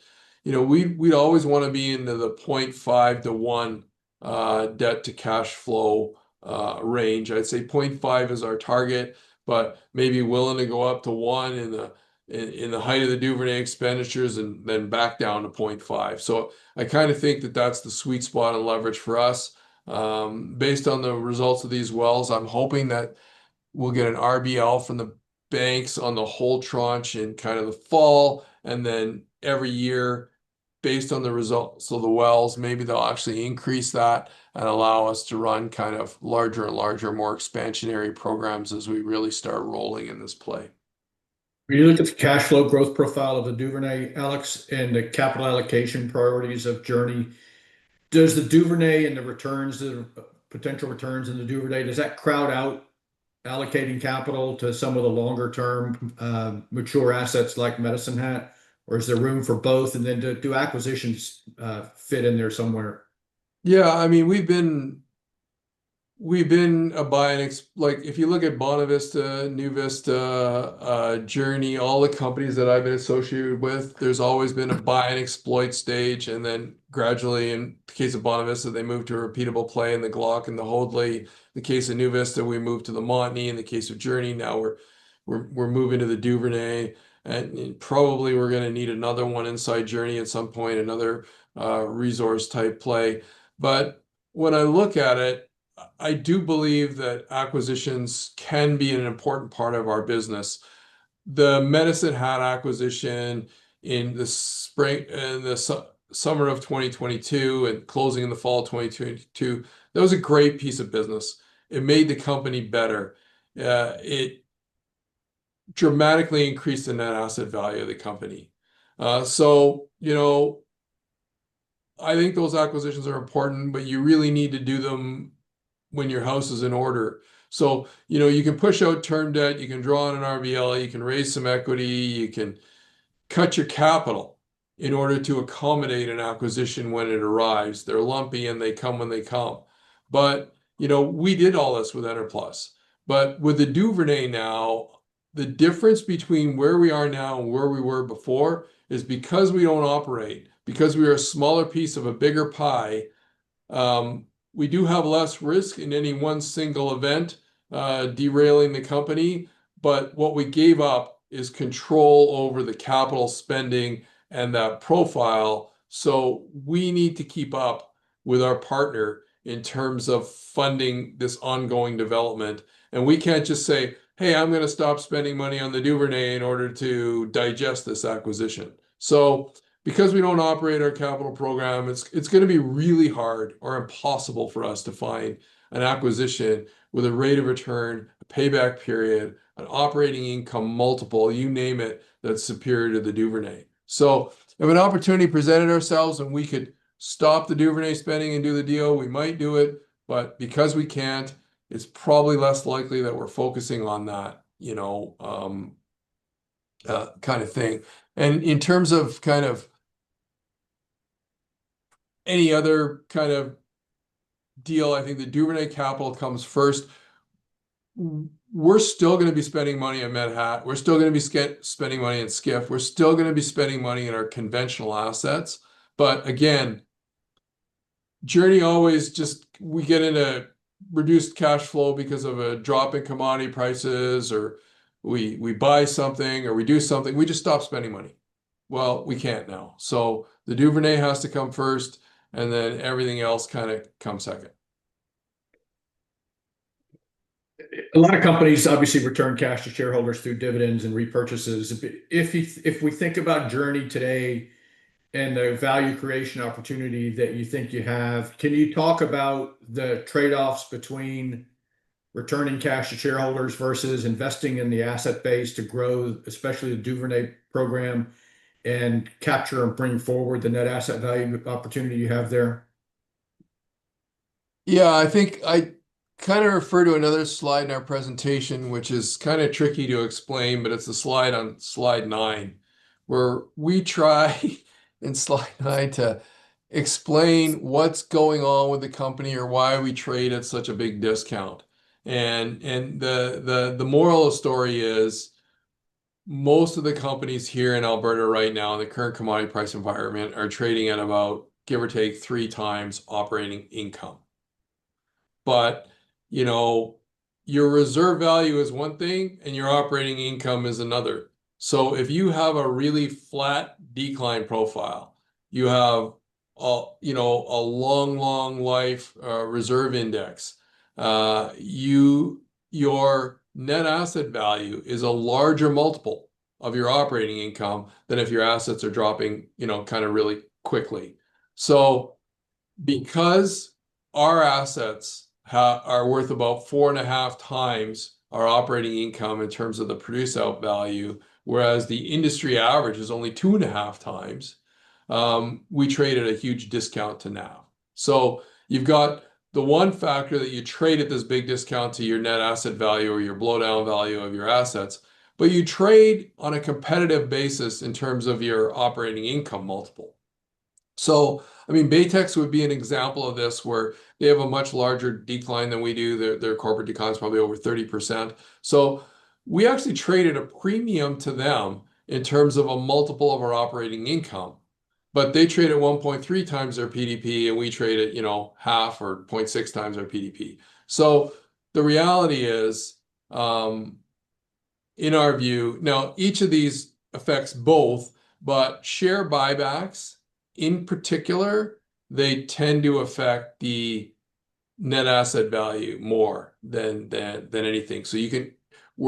we would always want to be in the 0.5-1 debt to cash flow range. I would say 0.5 is our target, but maybe willing to go up to 1 in the height of the Duvernay expenditures and then back down to 0.5. I kind of think that is the sweet spot on leverage for us. Based on the results of these wells, I am hoping that we will get an RBL from the banks on the whole tranche in the fall. Every year, based on the results of the wells, maybe they'll actually increase that and allow us to run kind of larger and larger, more expansionary programs as we really start rolling in this play. When you look at the cash flow growth profile of the Duvernay, Alex, and the capital allocation priorities of Journey, does the Duvernay and the potential returns in the Duvernay, does that crowd out allocating capital to some of the longer-term mature assets like Medicine Hat? Or is there room for both? And then do acquisitions fit in there somewhere? Yeah. I mean, we've been a buy and if you look at Bonavista, NuVista, Journey, all the companies that I've been associated with, there's always been a buy and exploit stage. Then gradually, in the case of Bonavista, they moved to a repeatable play in the Glauc and the Hoadley. In the case of NuVista, we moved to the Montney. In the case of Journey, now we're moving to the Duvernay. Probably we're going to need another one inside Journey at some point, another resource-type play. When I look at it, I do believe that acquisitions can be an important part of our business. The Medicine Hat acquisition in the summer of 2022 and closing in the fall of 2022, that was a great piece of business. It made the company better. It dramatically increased the net asset value of the company. I think those acquisitions are important, but you really need to do them when your house is in order. You can push out term debt. You can draw on an RBL. You can raise some equity. You can cut your capital in order to accommodate an acquisition when it arrives. They're lumpy, and they come when they come. We did all this with Enerplus. With the Duvernay now, the difference between where we are now and where we were before is because we do not operate, because we are a smaller piece of a bigger pie. We do have less risk in any one single event derailing the company. What we gave up is control over the capital spending and that profile. We need to keep up with our partner in terms of funding this ongoing development. We cannot just say, "Hey, I'm going to stop spending money on the Duvernay in order to digest this acquisition." Because we do not operate our capital program, it is going to be really hard or impossible for us to find an acquisition with a rate of return, a payback period, an operating income multiple, you name it, that is superior to the Duvernay. If an opportunity presented itself and we could stop the Duvernay spending and do the deal, we might do it. Because we cannot, it is probably less likely that we are focusing on that kind of thing. In terms of any other kind of deal, I think the Duvernay capital comes first. We are still going to be spending money in Medicine Hat. We are still going to be spending money in SCIF. We are still going to be spending money in our conventional assets. Again, Journey always just, we get into reduced cash flow because of a drop in commodity prices, or we buy something, or we do something. We just stop spending money. We can't now. So the Duvernay has to come first, and then everything else kind of comes second. A lot of companies, obviously, return cash to shareholders through dividends and repurchases. If we think about Journey today and the value creation opportunity that you think you have, can you talk about the trade-offs between returning cash to shareholders versus investing in the asset base to grow, especially the Duvernay program, and capture and bring forward the net asset value opportunity you have there? Yeah. I think I kind of refer to another slide in our presentation, which is kind of tricky to explain, but it is a slide on slide 9, where we try in slide 9 to explain what is going on with the company or why we trade at such a big discount. The moral of the story is most of the companies here in Alberta right now in the current commodity price environment are trading at about, give or take, three times operating income. Your reserve value is one thing, and your operating income is another. If you have a really flat decline profile, you have a long, long life reserve index. Your net asset value is a larger multiple of your operating income than if your assets are dropping kind of really quickly. Because our assets are worth about 4.5 times our operating income in terms of the produce-out value, whereas the industry average is only 2.5 times, we trade at a huge discount to now. You have the one factor that you trade at this big discount to your net asset value or your blowdown value of your assets, but you trade on a competitive basis in terms of your operating income multiple. I mean, Baytex would be an example of this where they have a much larger decline than we do. Their corporate decline is probably over 30%. We actually trade at a premium to them in terms of a multiple of our operating income, but they trade at 1.3 times their PDP, and we trade at 0.5 or 0.6 times our PDP. The reality is, in our view, now, each of these affects both, but share buybacks, in particular, they tend to affect the net asset value more than anything. We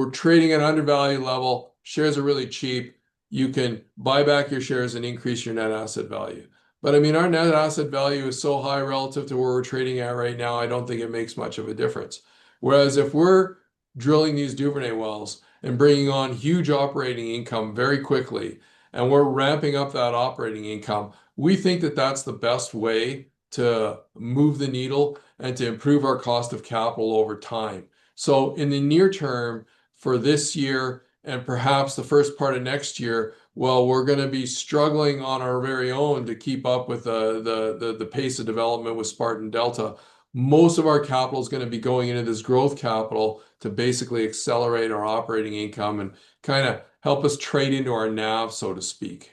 are trading at an undervalued level. Shares are really cheap. You can buy back your shares and increase your net asset value. I mean, our net asset value is so high relative to where we are trading at right now, I do not think it makes much of a difference. Whereas if we are drilling these Duvernay wells and bringing on huge operating income very quickly, and we are ramping up that operating income, we think that is the best way to move the needle and to improve our cost of capital over time. In the near term for this year and perhaps the first part of next year, while we're going to be struggling on our very own to keep up with the pace of development with Spartan Delta, most of our capital is going to be going into this growth capital to basically accelerate our operating income and kind of help us trade into our NAV, so to speak.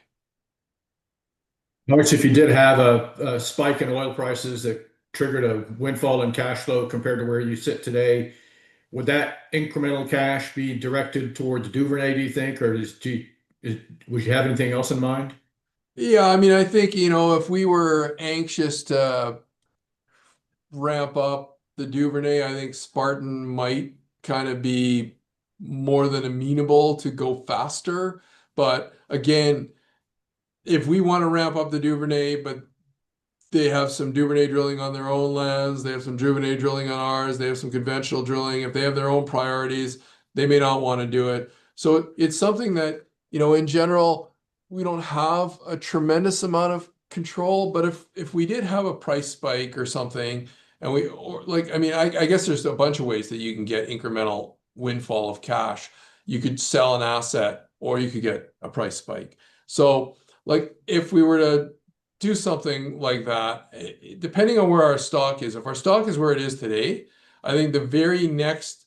Alex, if you did have a spike in oil prices that triggered a windfall in cash flow compared to where you sit today, would that incremental cash be directed toward the Duvernay, do you think? Or would you have anything else in mind? Yeah. I mean, I think if we were anxious to ramp up the Duvernay, I think Spartan might kind of be more than amenable to go faster. I mean, if we want to ramp up the Duvernay, but they have some Duvernay drilling on their own lands, they have some Duvernay drilling on ours, they have some conventional drilling, if they have their own priorities, they may not want to do it. It is something that, in general, we do not have a tremendous amount of control. If we did have a price spike or something, I mean, I guess there are a bunch of ways that you can get incremental windfall of cash. You could sell an asset, or you could get a price spike. If we were to do something like that, depending on where our stock is, if our stock is where it is today, I think the very next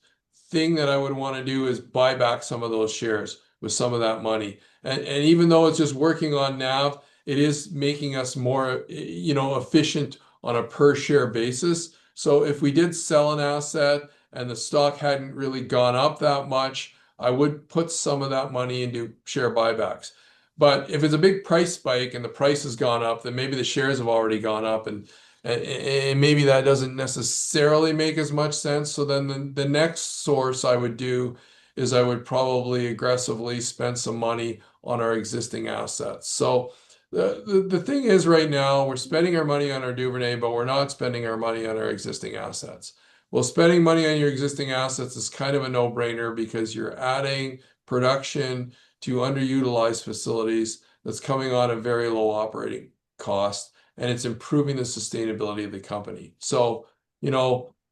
thing that I would want to do is buy back some of those shares with some of that money. Even though it's just working on NAV, it is making us more efficient on a per-share basis. If we did sell an asset and the stock hadn't really gone up that much, I would put some of that money into share buybacks. If it's a big price spike and the price has gone up, then maybe the shares have already gone up, and maybe that doesn't necessarily make as much sense. The next source I would do is I would probably aggressively spend some money on our existing assets. The thing is right now, we're spending our money on our Duvernay, but we're not spending our money on our existing assets. Spending money on your existing assets is kind of a no-brainer because you're adding production to underutilized facilities that's coming on a very low operating cost, and it's improving the sustainability of the company.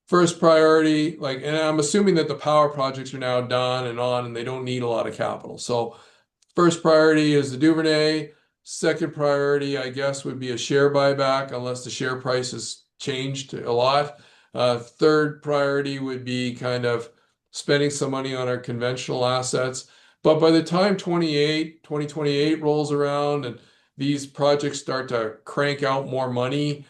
First priority, and I'm assuming that the power projects are now done and on, and they do not need a lot of capital. First priority is the Duvernay. Second priority, I guess, would be a share buyback unless the share price has changed a lot. Third priority would be kind of spending some money on our conventional assets. By the time 2028 rolls around and these projects start to crank out more money,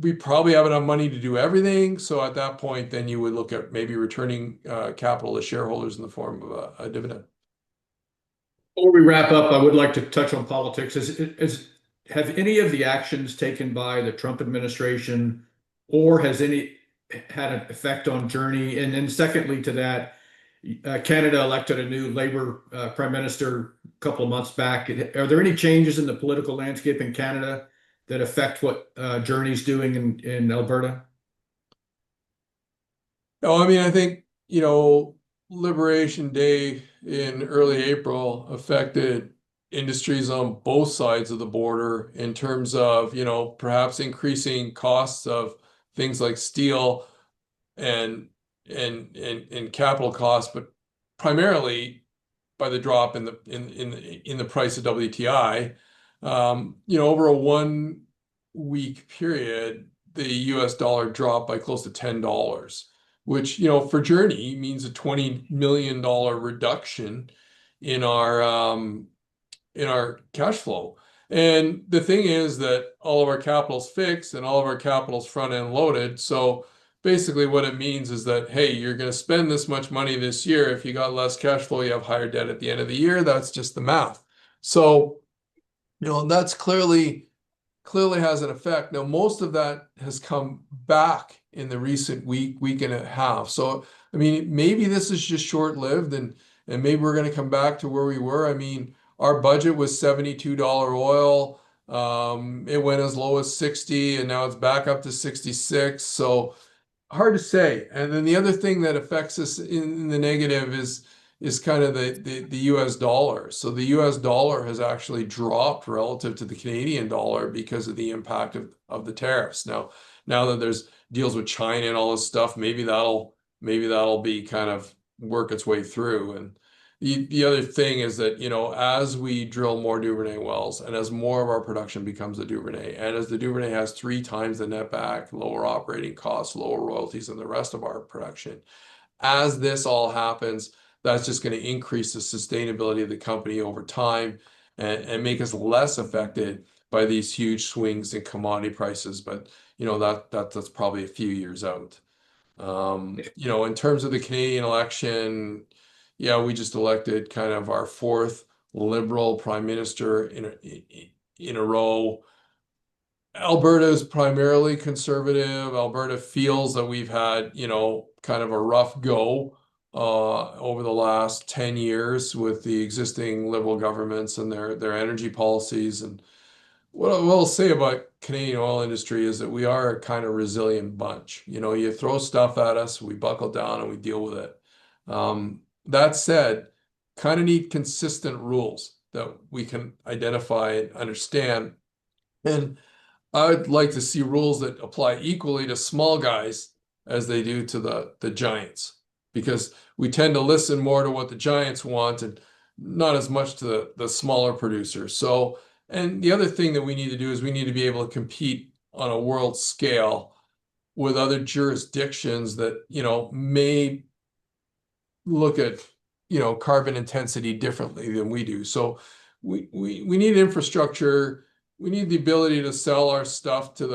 we probably have enough money to do everything. At that point, then you would look at maybe returning capital to shareholders in the form of a dividend. Before we wrap up, I would like to touch on politics. Have any of the actions taken by the Trump administration, or has any had an effect on Journey? Secondly to that, Canada elected a new Labour Prime Minister a couple of months back. Are there any changes in the political landscape in Canada that affect what Journey's doing in Alberta? No. I mean, I think Liberation Day in early April affected industries on both sides of the border in terms of perhaps increasing costs of things like steel and capital costs, but primarily by the drop in the price of WTI. Over a one-week period, the U.S. dollar dropped by close to $10, which for Journey means a 20 million dollar reduction in our cash flow. The thing is that all of our capital's fixed and all of our capital's front-end loaded. Basically, what it means is that, hey, you're going to spend this much money this year. If you got less cash flow, you have higher debt at the end of the year. That's just the math. That clearly has an effect. Now, most of that has come back in the recent week and a half. I mean, maybe this is just short-lived, and maybe we're going to come back to where we were. I mean, our budget was 72 dollar oil. It went as low as 60, and now it's back up to 66. Hard to say. The other thing that affects us in the negative is kind of the U.S. dollar. The U.S. dollar has actually dropped relative to the Canadian dollar because of the impact of the tariffs. Now that there's deals with China and all this stuff, maybe that'll kind of work its way through. The other thing is that as we drill more Duvernay wells and as more of our production becomes Duvernay, and as the Duvernay has three times the netback, lower operating costs, lower royalties, and the rest of our production, as this all happens, that is just going to increase the sustainability of the company over time and make us less affected by these huge swings in commodity prices. That is probably a few years out. In terms of the Canadian election, yeah, we just elected kind of our fourth Liberal Prime Minister in a row. Alberta is primarily conservative. Alberta feels that we have had kind of a rough go over the last 10 years with the existing Liberal governments and their energy policies. What I will say about the Canadian oil industry is that we are a kind of resilient bunch. You throw stuff at us, we buckle down, and we deal with it. That said, kind of need consistent rules that we can identify and understand. I would like to see rules that apply equally to small guys as they do to the giants because we tend to listen more to what the giants want and not as much to the smaller producers. The other thing that we need to do is we need to be able to compete on a world scale with other jurisdictions that may look at carbon intensity differently than we do. We need infrastructure. We need the ability to sell our stuff to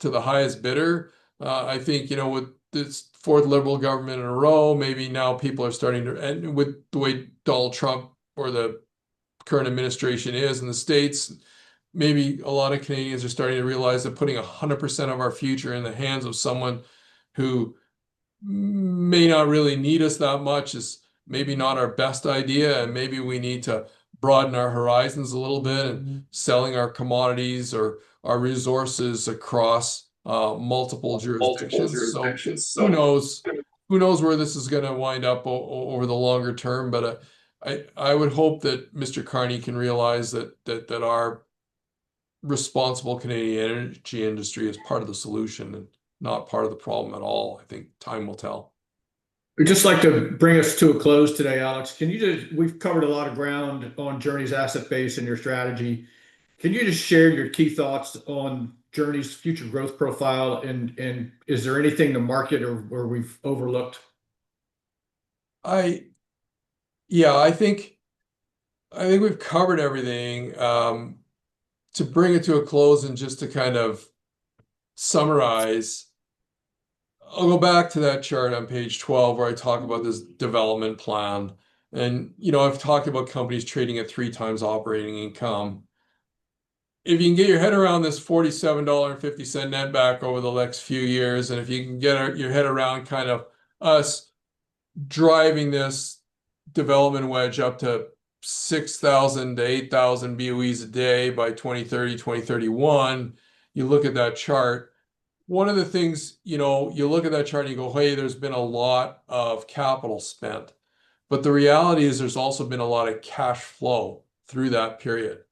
the highest bidder. I think with this fourth Liberal government in a row, maybe now people are starting to, and with the way Donald Trump or the current administration is in the United States, maybe a lot of Canadians are starting to realize that putting 100% of our future in the hands of someone who may not really need us that much is maybe not our best idea. Maybe we need to broaden our horizons a little bit and sell our commodities or our resources across multiple jurisdictions. Who knows where this is going to wind up over the longer term. I would hope that Mr. Carney can realize that our responsible Canadian energy industry is part of the solution and not part of the problem at all. I think time will tell. We'd just like to bring us to a close today, Alex. We've covered a lot of ground on Journey's asset base and your strategy. Can you just share your key thoughts on Journey's future growth profile, and is there anything in the market or we've overlooked? Yeah. I think we've covered everything. To bring it to a close and just to kind of summarize, I'll go back to that chart on page 12 where I talk about this development plan. And I've talked about companies trading at three times operating income. If you can get your head around this 47.50 dollar netback over the next few years, and if you can get your head around kind of us driving this development wedge up to 6,000-8,000 BOEs a day by 2030, 2031, you look at that chart. One of the things, you look at that chart and you go, "Hey, there's been a lot of capital spent." The reality is there's also been a lot of cash flow through that period.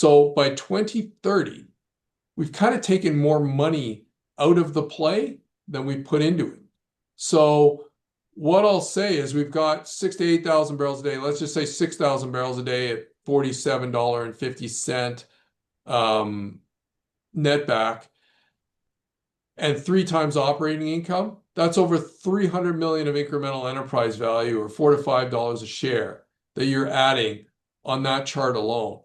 By 2030, we've kind of taken more money out of the play than we put into it. What I'll say is we've got 6,000-8,000 barrels a day. Let's just say 6,000 barrels a day at 47.50 dollar netback and three times operating income. That's over 300 million of incremental enterprise value or 4-5 dollars a share that you're adding on that chart alone.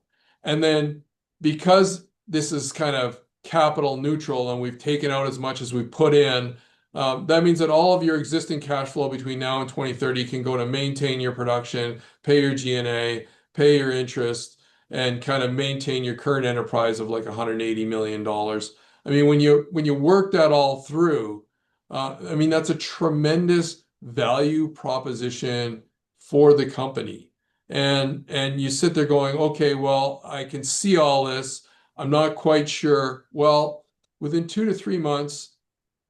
Because this is kind of capital neutral and we've taken out as much as we've put in, that means that all of your existing cash flow between now and 2030 can go to maintain your production, pay your G&A, pay your interest, and kind of maintain your current enterprise of like 180 million dollars. I mean, when you work that all through, I mean, that's a tremendous value proposition for the company. You sit there going, "Okay, well, I can see all this". I'm not quite sure. Within two to three months,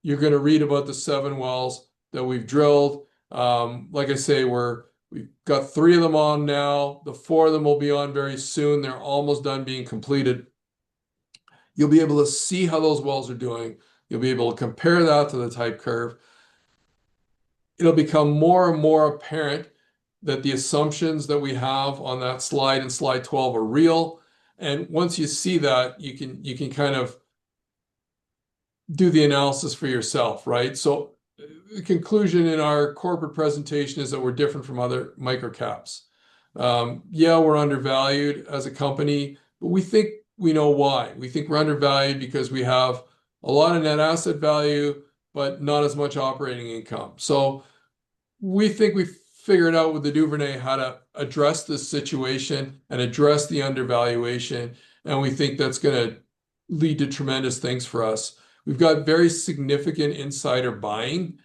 you're going to read about the seven wells that we've drilled. Like I say, we've got three of them on now. The four of them will be on very soon. They're almost done being completed. You'll be able to see how those wells are doing. You'll be able to compare that to the type curve. It will become more and more apparent that the assumptions that we have on that slide and slide 12 are real. Once you see that, you can kind of do the analysis for yourself, right? The conclusion in our corporate presentation is that we're different from other microcaps. Yeah, we're undervalued as a company, but we think we know why. We think we're undervalued because we have a lot of net asset value, but not as much operating income. We think we figured out with the Duvernay how to address this situation and address the undervaluation. We think that's going to lead to tremendous things for us. We've got very significant insider buying.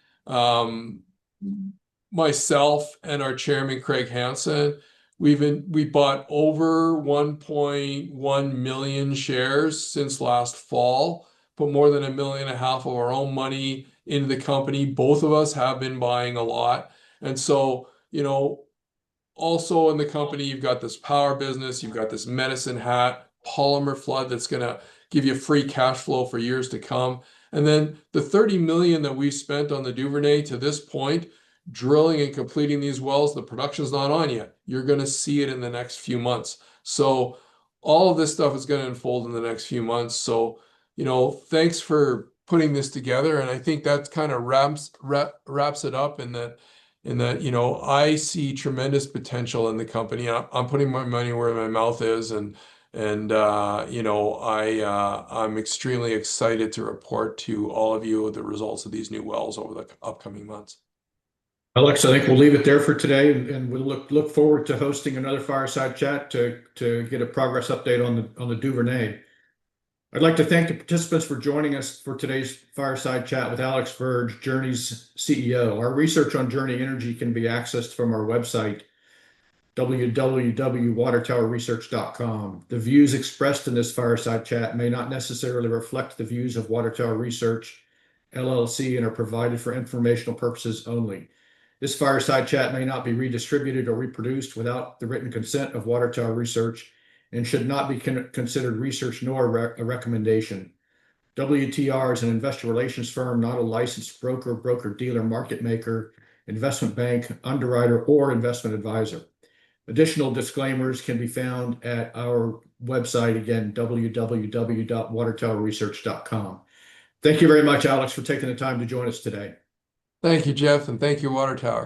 Myself and our Chairman, Craig Hansen, we bought over 1.1 million shares since last fall, put more than 1.5 million of our own money into the company. Both of us have been buying a lot. Also in the company, you've got this power business. You've got this Medicine Hat polymer flood that's going to give you free cash flow for years to come. Then the 30 million that we spent on the Duvernay to this point, drilling and completing these wells, the production's not on yet. You're going to see it in the next few months. All of this stuff is going to unfold in the next few months. Thanks for putting this together. I think that kind of wraps it up in that I see tremendous potential in the company. I'm putting my money where my mouth is. I'm extremely excited to report to all of you the results of these new wells over the upcoming months. Alex, I think we'll leave it there for today. We look forward to hosting another fireside chat to get a progress update on the Duvernay. I'd like to thank the participants for joining us for today's fireside chat with Alex Verge, Journey's CEO. Our research on Journey Energy can be accessed from our website, www.watertowerresearch.com. The views expressed in this fireside chat may not necessarily reflect the views of Water Tower Research LLC and are provided for informational purposes only. This fireside chat may not be redistributed or reproduced without the written consent of Water Tower Research and should not be considered research nor a recommendation. WTR is an investor relations firm, not a licensed broker, broker-dealer, market maker, investment bank, underwriter, or investment advisor. Additional disclaimers can be found at our website, again, www.watertowerresearch.com. Thank you very much, Alex, for taking the time to join us today. Thank you, Jeff. Thank you, Water Tower.